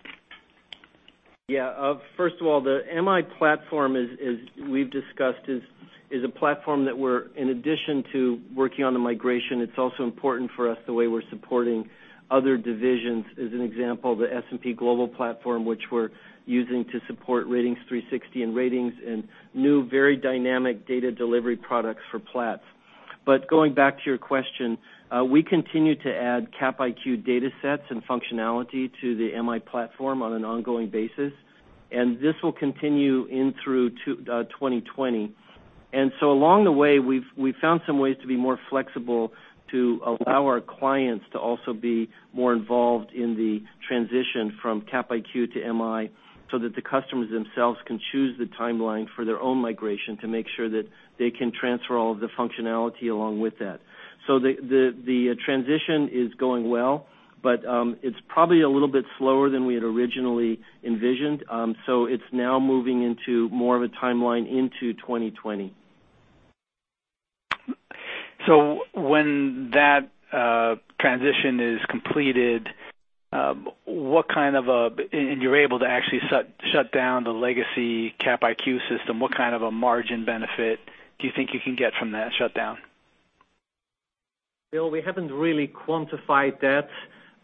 Yeah. First of all, the MI platform, as we've discussed, is a platform that we're, in addition to working on the migration, it's also important for us the way we're supporting other divisions. As an example, the S&P Global platform, which we're using to support Ratings360 and Ratings and new, very dynamic data delivery products for Platts. Going back to your question, we continue to add Cap IQ data sets and functionality to the MI platform on an ongoing basis, and this will continue in through 2020. Along the way, we've found some ways to be more flexible to allow our clients to also be more involved in the transition from Cap IQ to MI, so that the customers themselves can choose the timeline for their own migration to make sure that they can transfer all of the functionality along with that. The transition is going well, but it's probably a little bit slower than we had originally envisioned. It's now moving into more of a timeline into 2020. When that transition is completed, and you're able to actually shut down the legacy Capital IQ system, what kind of a margin benefit do you think you can get from that shutdown? Bill, we haven't really quantified that.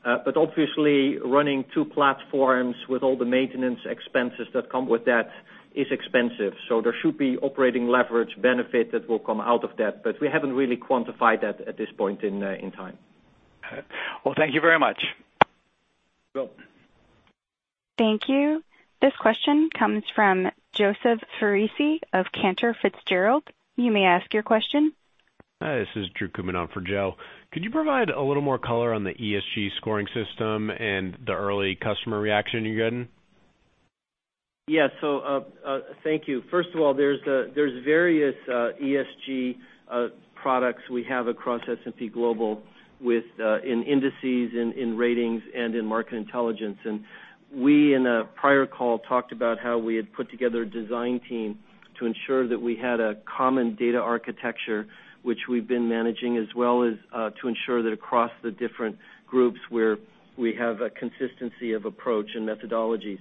Obviously, running two platforms with all the maintenance expenses that come with that is expensive. There should be operating leverage benefit that will come out of that, but we haven't really quantified that at this point in time. Well, thank you very much. You're welcome. Thank you. This question comes from Joseph Foresi of Cantor Fitzgerald. You may ask your question. Hi, this is Drew Koomanan for Joe. Could you provide a little more color on the ESG scoring system and the early customer reaction you're getting? Yeah. Thank you. First of all, there's various ESG products we have across S&P Global in Indices, in Ratings, and in Market Intelligence. We, in a prior call, talked about how we had put together a design team to ensure that we had a common data architecture, which we've been managing, as well as to ensure that across the different groups, we have a consistency of approach and methodologies.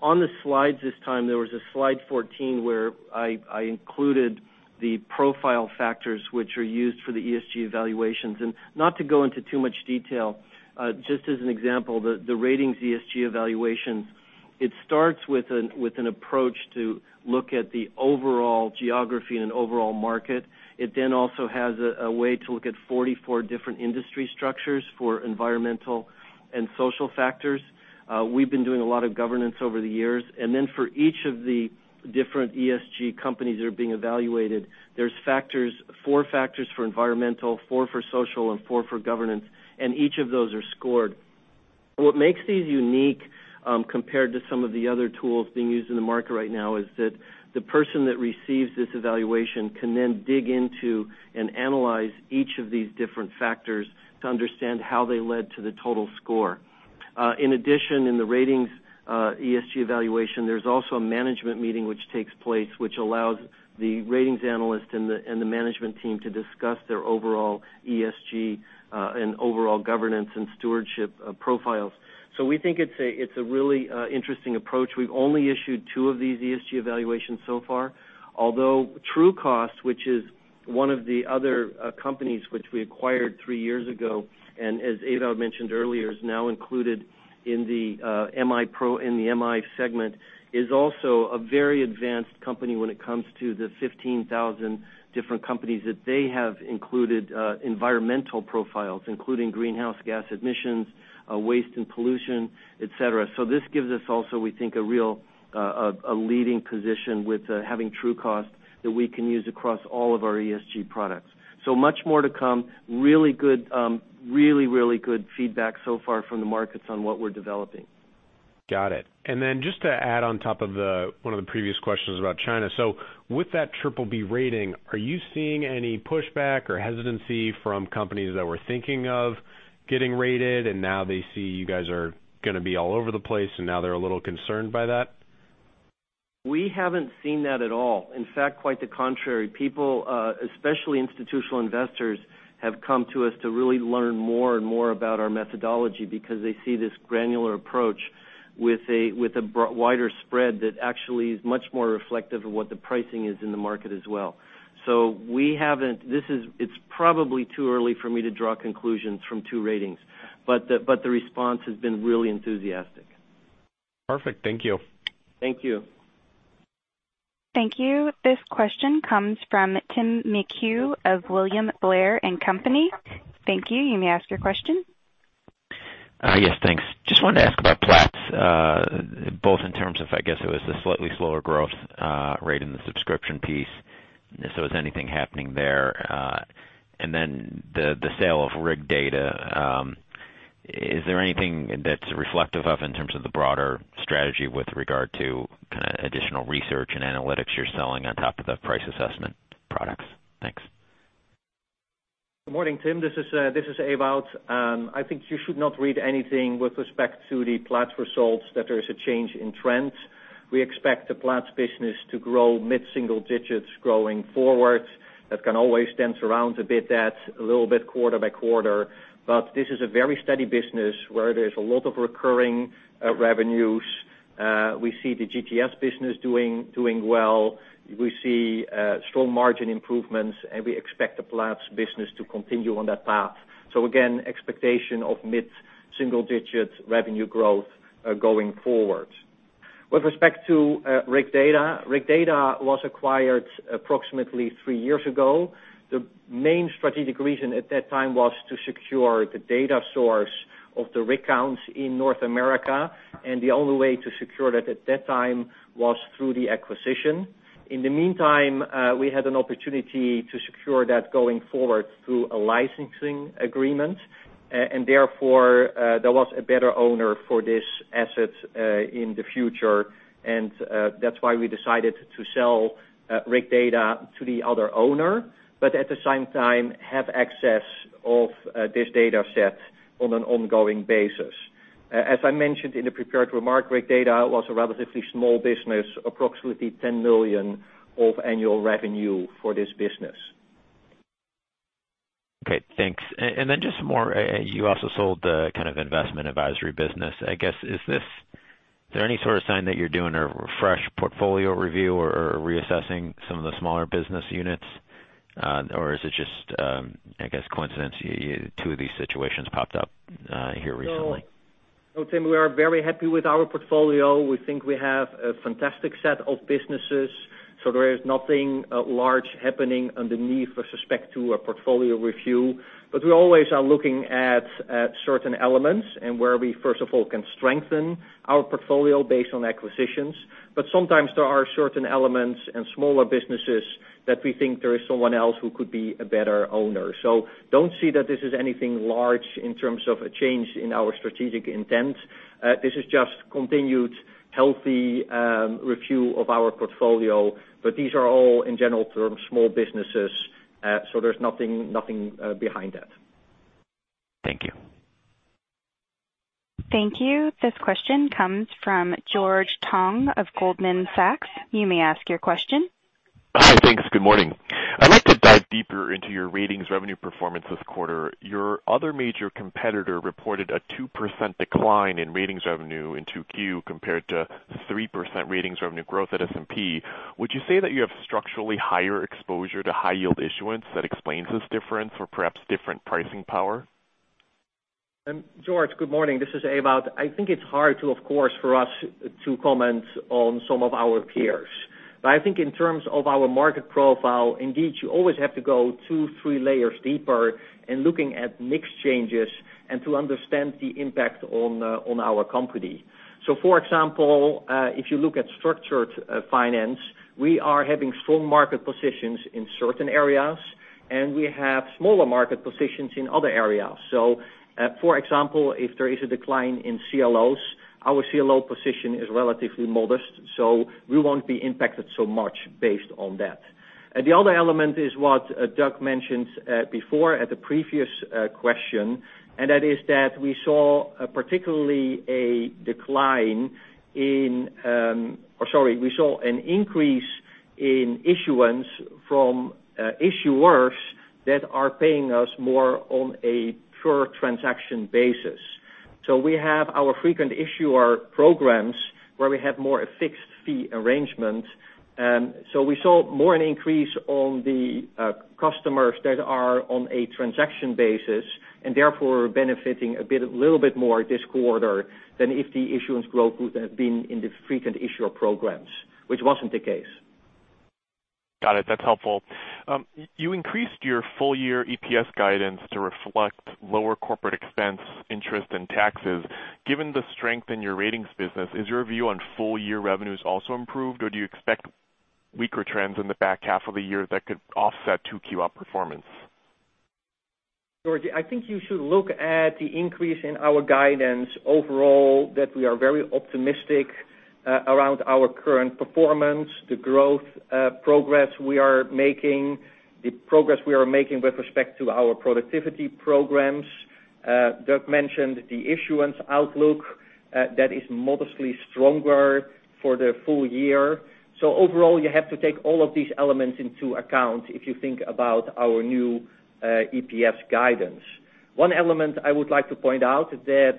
On the slides this time, there was a slide 14 where I included the profile factors which are used for the ESG evaluations. Not to go into too much detail, just as an example, the Ratings ESG evaluation, it starts with an approach to look at the overall geography and overall market. It then also has a way to look at 44 different industry structures for environmental and social factors. We've been doing a lot of governance over the years. For each of the different ESG companies that are being evaluated, there's four factors for environmental, four for social and four for governance, and each of those are scored. What makes these unique, compared to some of the other tools being used in the market right now, is that the person that receives this evaluation can then dig into and analyze each of these different factors to understand how they led to the total score. In addition, in the Ratings ESG evaluation, there's also a management meeting which takes place, which allows the Ratings analyst and the management team to discuss their overall ESG, and overall governance and stewardship profiles. We think it's a really interesting approach. We've only issued two of these ESG evaluations so far, although Trucost, which is one of the other companies which we acquired three years ago, and as Ewout mentioned earlier, is now included in the MI segment, is also a very advanced company when it comes to the 15,000 different companies that they have included environmental profiles, including greenhouse gas emissions, waste and pollution, et cetera. This gives us also, we think, a leading position with having Trucost that we can use across all of our ESG products. Much more to come. Really good feedback so far from the markets on what we're developing. Got it. Just to add on top of one of the previous questions about China. With that triple B rating, are you seeing any pushback or hesitancy from companies that were thinking of getting rated, and now they see you guys are going to be all over the place, and now they're a little concerned by that? We haven't seen that at all. In fact, quite the contrary. People, especially institutional investors, have come to us to really learn more and more about our methodology because they see this granular approach with a wider spread that actually is much more reflective of what the pricing is in the market as well. It's probably too early for me to draw conclusions from two ratings, but the response has been really enthusiastic. Perfect. Thank you. Thank you. Thank you. This question comes from Tim McHugh of William Blair & Company. Thank you. You may ask your question. Yes, thanks. Just wanted to ask about Platts, both in terms of, I guess, it was the slightly slower growth rate in the subscription piece. Is anything happening there? The sale of RigData. Is there anything that's reflective of in terms of the broader strategy with regard to additional research and analytics you're selling on top of the price assessment products? Thanks. Good morning, Tim. This is Ewout. I think you should not read anything with respect to the Platts results that there is a change in trend. We expect the Platts business to grow mid-single digits growing forward. That can always dance around a bit quarter by quarter. This is a very steady business where there's a lot of recurring revenues. We see the GTS business doing well. We see strong margin improvements, we expect the Platts business to continue on that path. Again, expectation of mid-single digit revenue growth going forward. With respect to RigData was acquired approximately three years ago. The main strategic reason at that time was to secure the data source of the rig counts in North America, the only way to secure that at that time was through the acquisition. In the meantime, we had an opportunity to secure that going forward through a licensing agreement. Therefore, there was a better owner for this asset in the future. That's why we decided to sell RigData to the other owner, but at the same time have access of this data set on an ongoing basis. As I mentioned in the prepared remark, RigData was a relatively small business, approximately $10 million of annual revenue for this business. Okay, thanks. Just more, you also sold the investment advisory business. Is there any sort of sign that you're doing a fresh portfolio review or reassessing some of the smaller business units? Is it just coincidence two of these situations popped up here recently? No, Tim, we are very happy with our portfolio. We think we have a fantastic set of businesses. There is nothing large happening underneath with respect to a portfolio review. We always are looking at certain elements and where we first of all can strengthen our portfolio based on acquisitions. Sometimes there are certain elements and smaller businesses that we think there is someone else who could be a better owner. Don't see that this is anything large in terms of a change in our strategic intent. This is just continued healthy review of our portfolio. These are all in general terms, small businesses. There's nothing behind that. Thank you. Thank you. This question comes from George Tong of Goldman Sachs. You may ask your question. Hi. Thanks. Good morning. I'd like to dive deeper into your Ratings revenue performance this quarter. Your other major competitor reported a 2% decline in Ratings revenue in 2Q compared to 3% Ratings revenue growth at S&P. Would you say that you have structurally higher exposure to high yield issuance that explains this difference or perhaps different pricing power? George, good morning. This is Ewout. I think it's hard to, of course, for us to comment on some of our peers. I think in terms of our market profile, indeed, you always have to go two, three layers deeper in looking at mix changes and to understand the impact on our company. For example, if you look at structured finance, we are having strong market positions in certain areas, and we have smaller market positions in other areas. For example, if there is a decline in CLOs, our CLO position is relatively modest, so we won't be impacted so much based on that. The other element is what Doug mentioned before at the previous question, and that is that we saw an increase in issuance from issuers that are paying us more on a per transaction basis. We have our frequent issuer programs where we have more a fixed fee arrangement. We saw more an increase on the customers that are on a transaction basis, and therefore, benefiting a little bit more this quarter than if the issuance growth would have been in the frequent issuer programs, which wasn't the case. Got it. That's helpful. You increased your full year EPS guidance to reflect lower corporate expense, interest, and taxes. Given the strength in your ratings business, is your view on full year revenues also improved, or do you expect weaker trends in the back half of the year that could offset 2Q outperformance? George, I think you should look at the increase in our guidance overall, that we are very optimistic around our current performance, the growth progress we are making, the progress we are making with respect to our productivity programs. Doug mentioned the issuance outlook that is modestly stronger for the full year. Overall, you have to take all of these elements into account if you think about our new EPS guidance. One element I would like to point out is that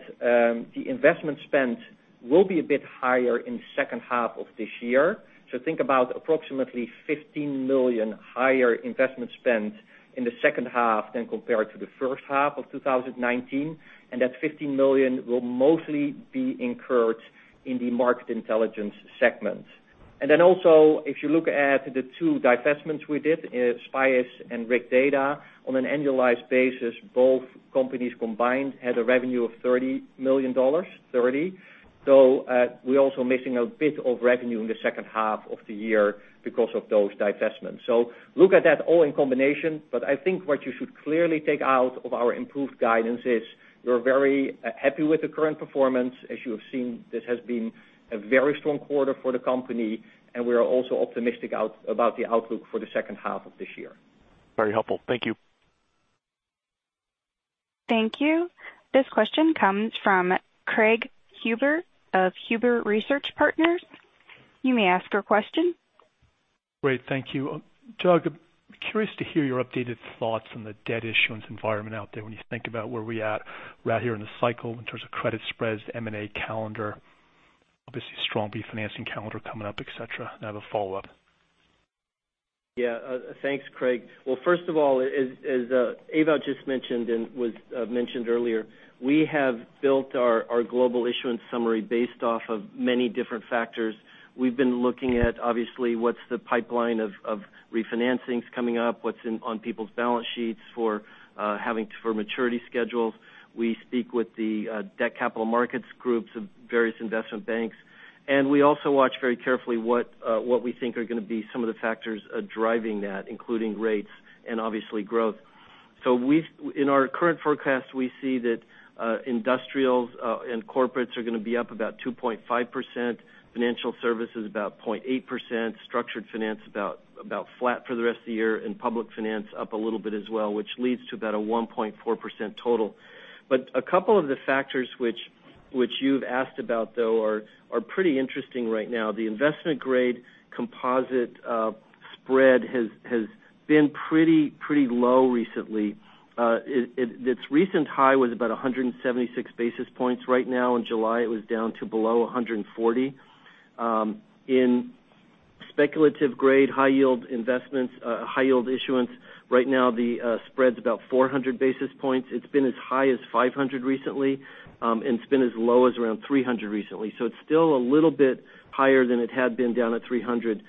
the investment spend will be a bit higher in the second half of this year. Think about approximately $15 million higher investment spend in the second half than compared to the first half of 2019, and that $15 million will mostly be incurred in the Market Intelligence segment. Also, if you look at the two divestments we did, SPIAS and RigData, on an annualized basis, both companies combined had a revenue of $30 million. We're also missing a bit of revenue in the second half of the year because of those divestments. Look at that all in combination, but I think what you should clearly take out of our improved guidance is we're very happy with the current performance. As you have seen, this has been a very strong quarter for the company, and we are also optimistic about the outlook for the second half of this year. Very helpful. Thank you. Thank you. This question comes from Craig Huber of Huber Research Partners. You may ask your question. Great. Thank you. Doug, I'm curious to hear your updated thoughts on the debt issuance environment out there when you think about where we are at right here in the cycle in terms of credit spreads, M&A calendar, obviously strong refinancing calendar coming up, et cetera, and I have a follow-up. Thanks, Craig. First of all, as Ewout just mentioned and was mentioned earlier, we have built our global issuance summary based off of many different factors. We've been looking at, obviously, what's the pipeline of refinancings coming up, what's on people's balance sheets for maturity schedules. We speak with the debt capital markets groups of various investment banks. We also watch very carefully what we think are going to be some of the factors driving that, including rates and obviously growth. In our current forecast, we see that industrials and corporates are going to be up about 2.5%, financial services about 0.8%, structured finance about flat for the rest of the year, public finance up a little bit as well, which leads to about a 1.4% total. A couple of the factors which you've asked about, though, are pretty interesting right now. The investment-grade composite spread has been pretty low recently. Its recent high was about 176 basis points. Right now in July, it was down to below 140. In speculative-grade high yield issuance, right now the spread's about 400 basis points. It's been as high as 500 recently, it's been as low as around 300 recently. It's still a little bit higher than it had been down at 300.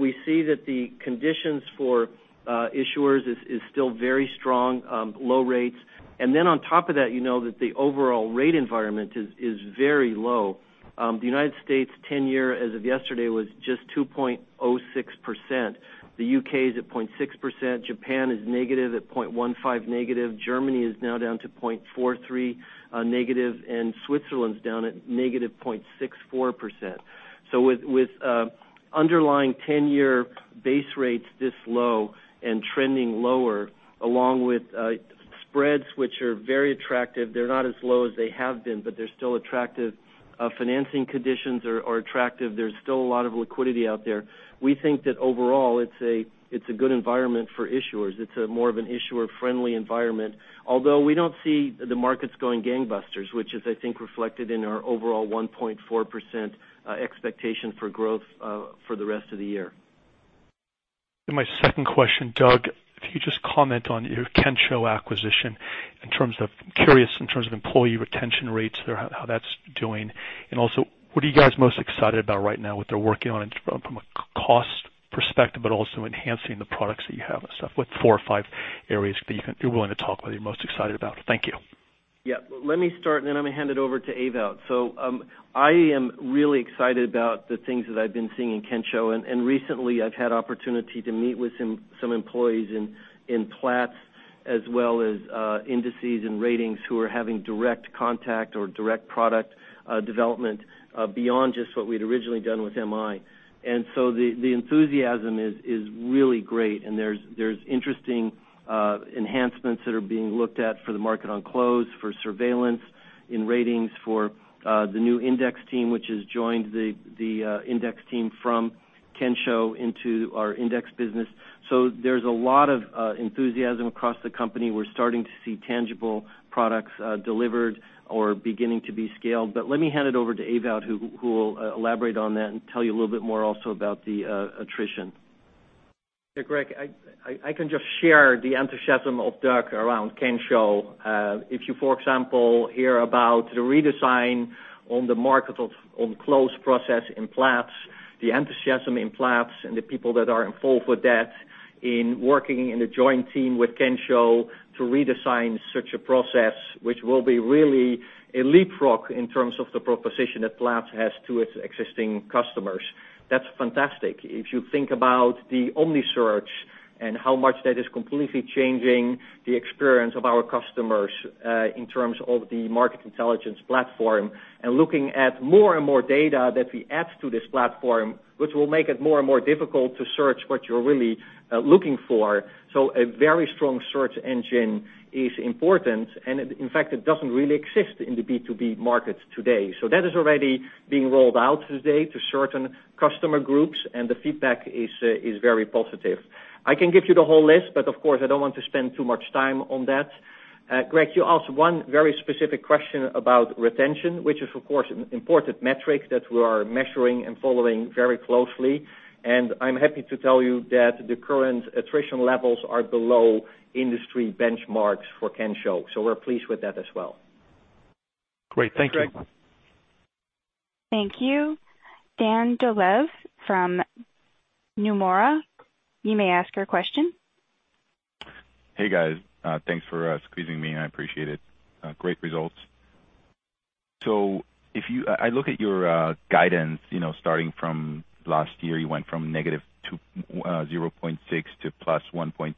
We see that the conditions for issuers is still very strong, low rates. On top of that, you know that the overall rate environment is very low. The U.S. 10-year, as of yesterday, was just 2.06%. The U.K. is at 0.6%, Japan is negative at 0.15 negative, Germany is now down to 0.43 negative, Switzerland's down at negative 0.64%. With underlying 10-year base rates this low and trending lower, along with spreads which are very attractive, they're not as low as they have been, but they're still attractive. Financing conditions are attractive. There's still a lot of liquidity out there. We think that overall it's a good environment for issuers. It's more of an issuer-friendly environment, although we don't see the markets going gangbusters, which is, I think, reflected in our overall 1.4% expectation for growth for the rest of the year. My second question, Doug, if you just comment on your Kensho acquisition. I'm curious in terms of employee retention rates there, how that's doing, and also, what are you guys most excited about right now, what they're working on from a cost perspective, but also enhancing the products that you have and stuff, what four or five areas that you're willing to talk about you're most excited about? Thank you. Let me start, and then I'm going to hand it over to Ewout. I am really excited about the things that I've been seeing in Kensho, and recently I've had opportunity to meet with some employees in Platts, as well as indices and ratings who are having direct contact or direct product development, beyond just what we'd originally done with MI. The enthusiasm is really great, and there's interesting enhancements that are being looked at for the Market on Close for surveillance in ratings for the new index team, which has joined the index team from Kensho into our index business. There's a lot of enthusiasm across the company. We're starting to see tangible products delivered or beginning to be scaled. Let me hand it over to Ewout, who will elaborate on that and tell you a little bit more also about the attrition. Craig, I can just share the enthusiasm of Doug around Kensho. If you, for example, hear about the redesign on the Market on Close process in Platts, the enthusiasm in Platts and the people that are involved with that in working in a joint team with Kensho to redesign such a process, which will be really a leapfrog in terms of the proposition that Platts has to its existing customers. That's fantastic. If you think about the OmniSearch and how much that is completely changing the experience of our customers, in terms of the Market Intelligence platform and looking at more and more data that we add to this platform, which will make it more and more difficult to search what you're really looking for. A very strong search engine is important, and in fact, it doesn't really exist in the B2B market today. That is already being rolled out today to certain customer groups, and the feedback is very positive. I can give you the whole list, but of course, I don't want to spend too much time on that. Craig, you asked one very specific question about retention, which is, of course, an important metric that we are measuring and following very closely. I'm happy to tell you that the current attrition levels are below industry benchmarks for Kensho. We're pleased with that as well. Great. Thank you. Great. Thank you. Dan Dolev from Nomura, you may ask your question. Hey, guys. Thanks for squeezing me in. I appreciate it. Great results. I look at your guidance starting from last year, you went from negative to 0.6 to +1.2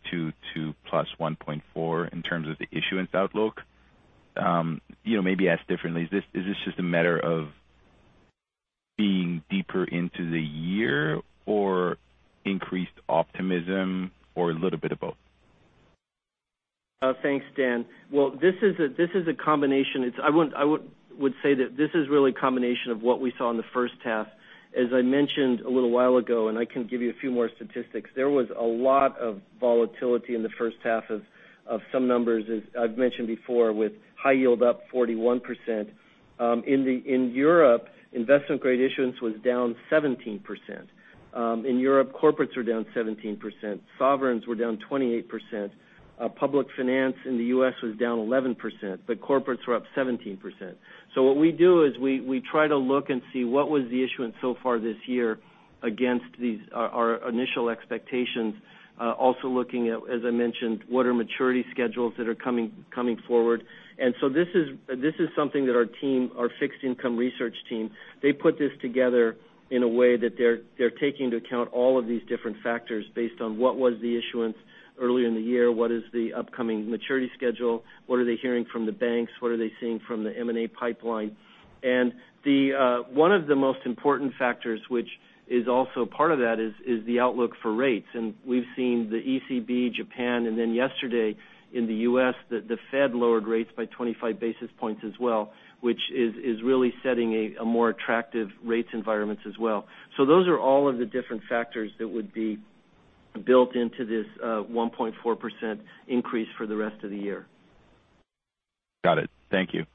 to +1.4 in terms of the issuance outlook. Maybe asked differently, is this just a matter of being deeper into the year or increased optimism or a little bit of both? Thanks, Dan. Well, this is a combination. I would say that this is really a combination of what we saw in the first half. As I mentioned a little while ago, and I can give you a few more statistics, there was a lot of volatility in the first half of some numbers, as I've mentioned before, with high yield up 41%. In Europe, investment-grade issuance was down 17%. In Europe, corporates were down 17%, sovereigns were down 28%. Public finance in the U.S. was down 11%, but corporates were up 17%. What we do is we try to look and see what was the issuance so far this year against our initial expectations. Also looking at, as I mentioned, what are maturity schedules that are coming forward. This is something that our fixed income research team, they put this together in a way that they're taking into account all of these different factors based on what was the issuance earlier in the year, what is the upcoming maturity schedule, what are they hearing from the banks, what are they seeing from the M&A pipeline. One of the most important factors, which is also part of that, is the outlook for rates. We've seen the ECB, Japan, and then yesterday in the U.S., that the Fed lowered rates by 25 basis points as well, which is really setting a more attractive rates environment as well. Those are all of the different factors that would be built into this 1.4% increase for the rest of the year. Got it. Thank you.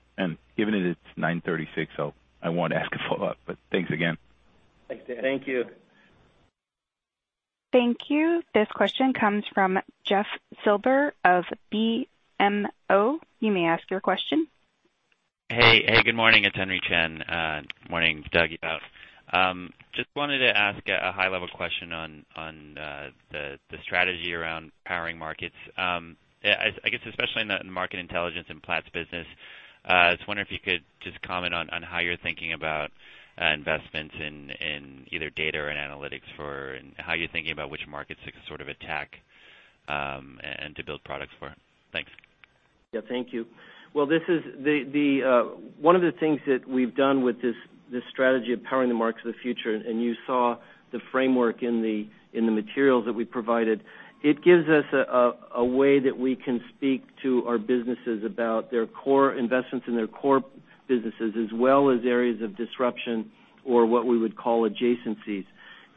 Given that it's 9:36 A.M., so I won't ask a follow-up, but thanks again. Thanks, Dan. Thank you. Thank you. This question comes from Jeffrey Silber of BMO. You may ask your question. Hey, good morning. It's Henry Chien. Morning, Doug, Ewout. Wanted to ask a high-level question on the strategy around powering markets. I guess especially in the Market Intelligence and Platts business. I was wondering if you could just comment on how you're thinking about investments in either data or analytics, or how you're thinking about which markets to sort of attack, and to build products for. Thanks. Thank you. One of the things that we've done with this strategy of Powering the Markets of the Future, and you saw the framework in the materials that we provided. It gives us a way that we can speak to our businesses about their core investments and their core businesses, as well as areas of disruption or what we would call adjacencies.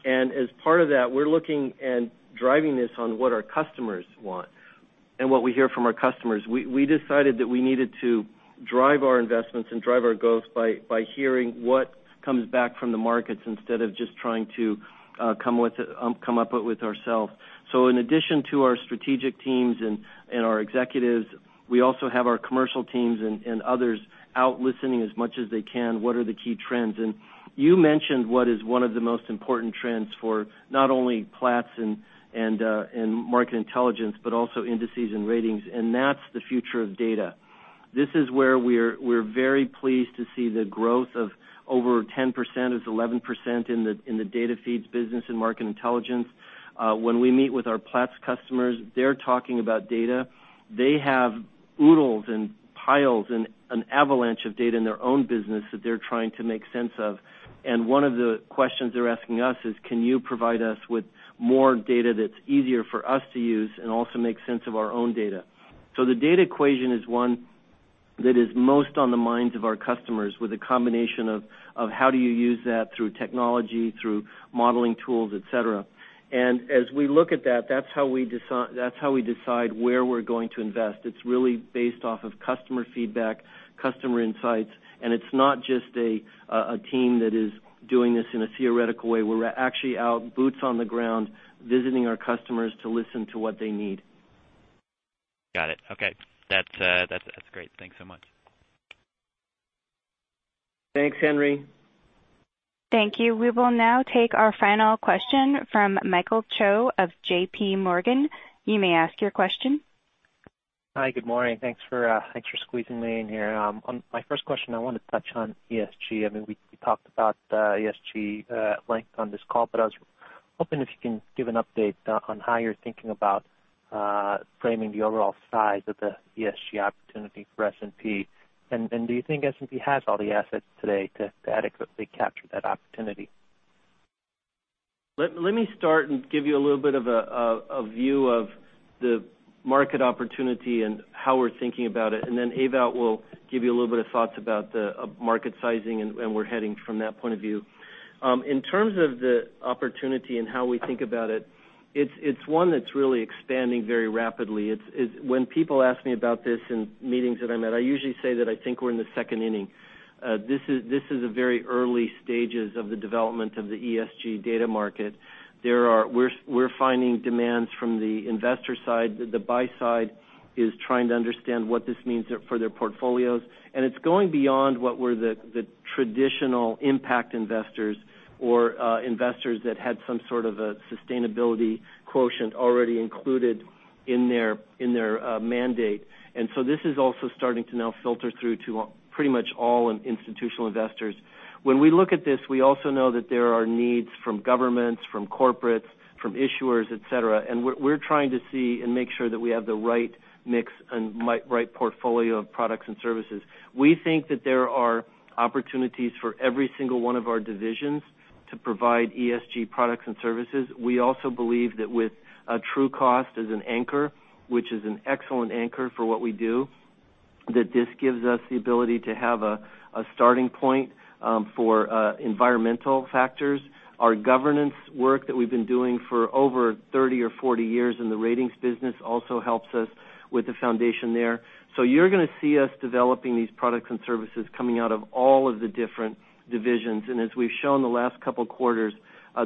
As part of that, we're looking and driving this on what our customers want. What we hear from our customers. We decided that we needed to drive our investments and drive our goals by hearing what comes back from the markets instead of just trying to come up with it ourselves. In addition to our strategic teams and our executives, we also have our commercial teams and others out listening as much as they can, what are the key trends. You mentioned what is one of the most important trends for not only Platts and Market Intelligence, but also Indices and Ratings, and that's the future of data. This is where we're very pleased to see the growth of over 10%, it's 11% in the data feeds business in Market Intelligence. When we meet with our Platts customers, they're talking about data. They have oodles and piles and an avalanche of data in their own business that they're trying to make sense of. One of the questions they're asking us is, can you provide us with more data that's easier for us to use and also make sense of our own data? The data equation is one that is most on the minds of our customers with a combination of how do you use that through technology, through modeling tools, et cetera. As we look at that's how we decide where we're going to invest. It's really based off of customer feedback, customer insights, and it's not just a team that is doing this in a theoretical way. We're actually out, boots on the ground, visiting our customers to listen to what they need. Got it. Okay. That's great. Thanks so much. Thanks, Henry. Thank you. We will now take our final question from Michael Cho of J.P. Morgan. You may ask your question. Hi, good morning. Thanks for squeezing me in here. My first question, I want to touch on ESG. We talked about ESG at length on this call, but I was hoping if you can give an update on how you're thinking about framing the overall size of the ESG opportunity for S&P. Do you think S&P has all the assets today to adequately capture that opportunity? Let me start and give you a little bit of a view of the market opportunity and how we're thinking about it, then Ewout will give you a little bit of thoughts about the market sizing and where we're heading from that point of view. In terms of the opportunity and how we think about it's one that's really expanding very rapidly. When people ask me about this in meetings that I'm at, I usually say that I think we're in the second inning. This is the very early stages of the development of the ESG data market. We're finding demands from the investor side. The buy side is trying to understand what this means for their portfolios, and it's going beyond what were the traditional impact investors or investors that had some sort of a sustainability quotient already included in their mandate. This is also starting to now filter through to pretty much all institutional investors. When we look at this, we also know that there are needs from governments, from corporates, from issuers, et cetera, and we're trying to see and make sure that we have the right mix and right portfolio of products and services. We think that there are opportunities for every single one of our divisions to provide ESG products and services. We also believe that with Trucost as an anchor, which is an excellent anchor for what we do, that this gives us the ability to have a starting point for environmental factors. Our governance work that we've been doing for over 30 or 40 years in the Ratings business also helps us with the foundation there. You're going to see us developing these products and services coming out of all of the different divisions. As we've shown the last couple of quarters,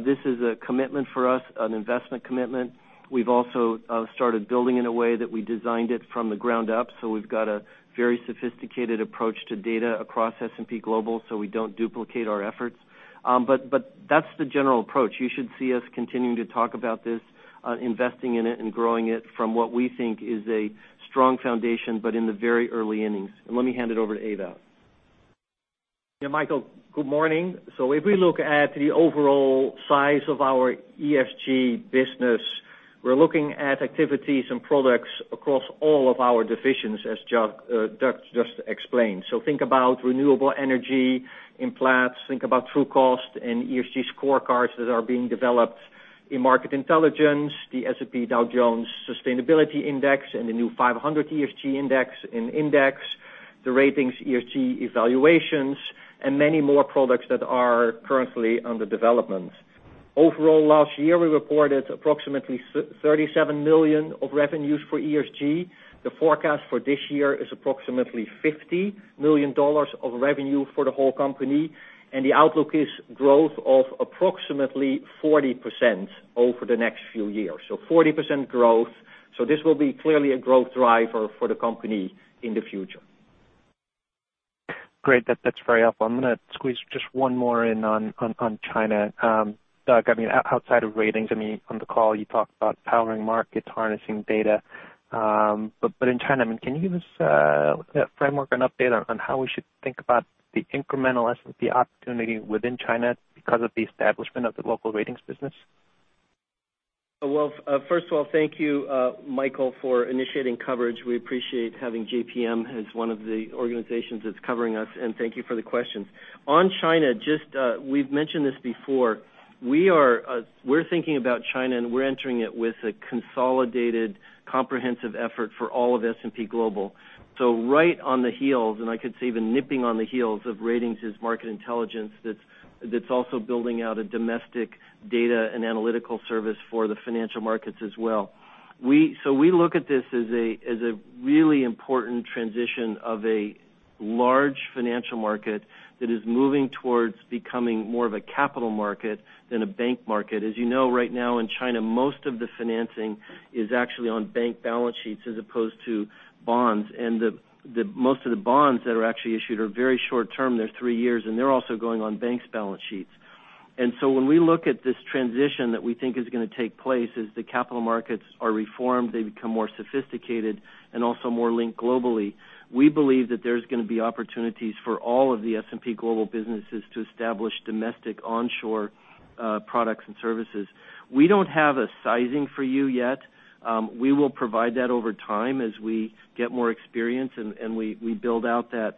this is a commitment for us, an investment commitment. We've also started building in a way that we designed it from the ground up. We've got a very sophisticated approach to data across S&P Global, so we don't duplicate our efforts. That's the general approach. You should see us continuing to talk about this, investing in it and growing it from what we think is a strong foundation, but in the very early innings. Let me hand it over to Ewout. Michael, good morning. If we look at the overall size of our ESG business, we're looking at activities and products across all of our divisions, as Doug just explained. Think about renewable energy in Platts. Think about Trucost and ESG scorecards that are being developed in Market Intelligence, the S&P Dow Jones Sustainability Indices, and the new S&P 500 ESG Index in S&P Dow Jones Indices, the Ratings ESG evaluations, and many more products that are currently under development. Overall, last year, we reported approximately $37 million of revenues for ESG. The forecast for this year is approximately $50 million of revenue for the whole company, and the outlook is growth of approximately 40% over the next few years. 40% growth. This will be clearly a growth driver for the company in the future. Great. That's very helpful. I'm going to squeeze just one more in on China. Doug, outside of Ratings, on the call, you talked about powering markets, harnessing data. In China, can you give us a framework or an update on how we should think about the incremental S&P opportunity within China because of the establishment of the local ratings business? Well, first of all, thank you, Michael, for initiating coverage. We appreciate having JPM as one of the organizations that's covering us, and thank you for the questions. On China, we've mentioned this before. We're thinking about China, and we're entering it with a consolidated, comprehensive effort for all of S&P Global. Right on the heels, and I could say even nipping on the heels of Ratings is Market Intelligence that's also building out a domestic data and analytical service for the financial markets as well. We look at this as a really important transition of a large financial market that is moving towards becoming more of a capital market than a bank market. As you know, right now in China, most of the financing is actually on bank balance sheets as opposed to bonds. Most of the bonds that are actually issued are very short-term. They're three years, and they're also going on banks' balance sheets. When we look at this transition that we think is going to take place, as the capital markets are reformed, they become more sophisticated and also more linked globally. We believe that there's going to be opportunities for all of the S&P Global businesses to establish domestic onshore products and services. We don't have a sizing for you yet. We will provide that over time as we get more experience and we build out the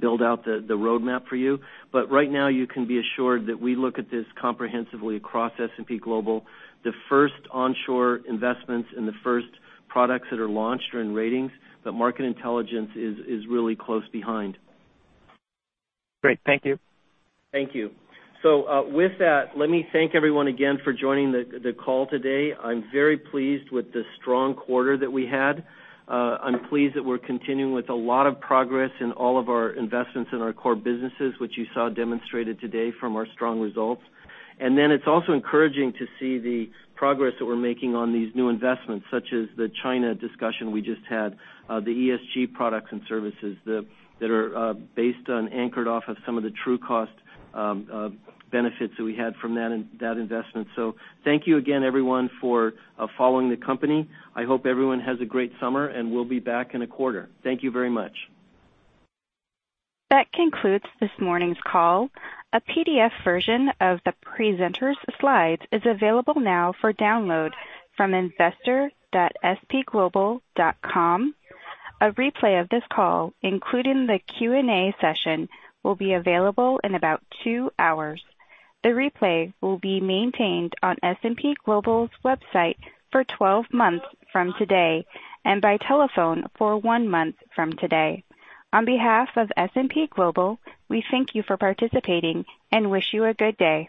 roadmap for you. Right now, you can be assured that we look at this comprehensively across S&P Global. The first onshore investments and the first products that are launched are in Ratings, but Market Intelligence is really close behind. Great. Thank you. Thank you. With that, let me thank everyone again for joining the call today. I'm very pleased with the strong quarter that we had. I'm pleased that we're continuing with a lot of progress in all of our investments in our core businesses, which you saw demonstrated today from our strong results. It's also encouraging to see the progress that we're making on these new investments, such as the China discussion we just had, the ESG products and services that are based on, anchored off of some of the Trucost benefits that we had from that investment. Thank you again, everyone, for following the company. I hope everyone has a great summer, and we'll be back in a quarter. Thank you very much. That concludes this morning's call. A PDF version of the presenters' slides is available now for download from investor.spglobal.com. A replay of this call, including the Q&A session, will be available in about two hours. The replay will be maintained on S&P Global's website for 12 months from today and by telephone for one month from today. On behalf of S&P Global, we thank you for participating and wish you a good day.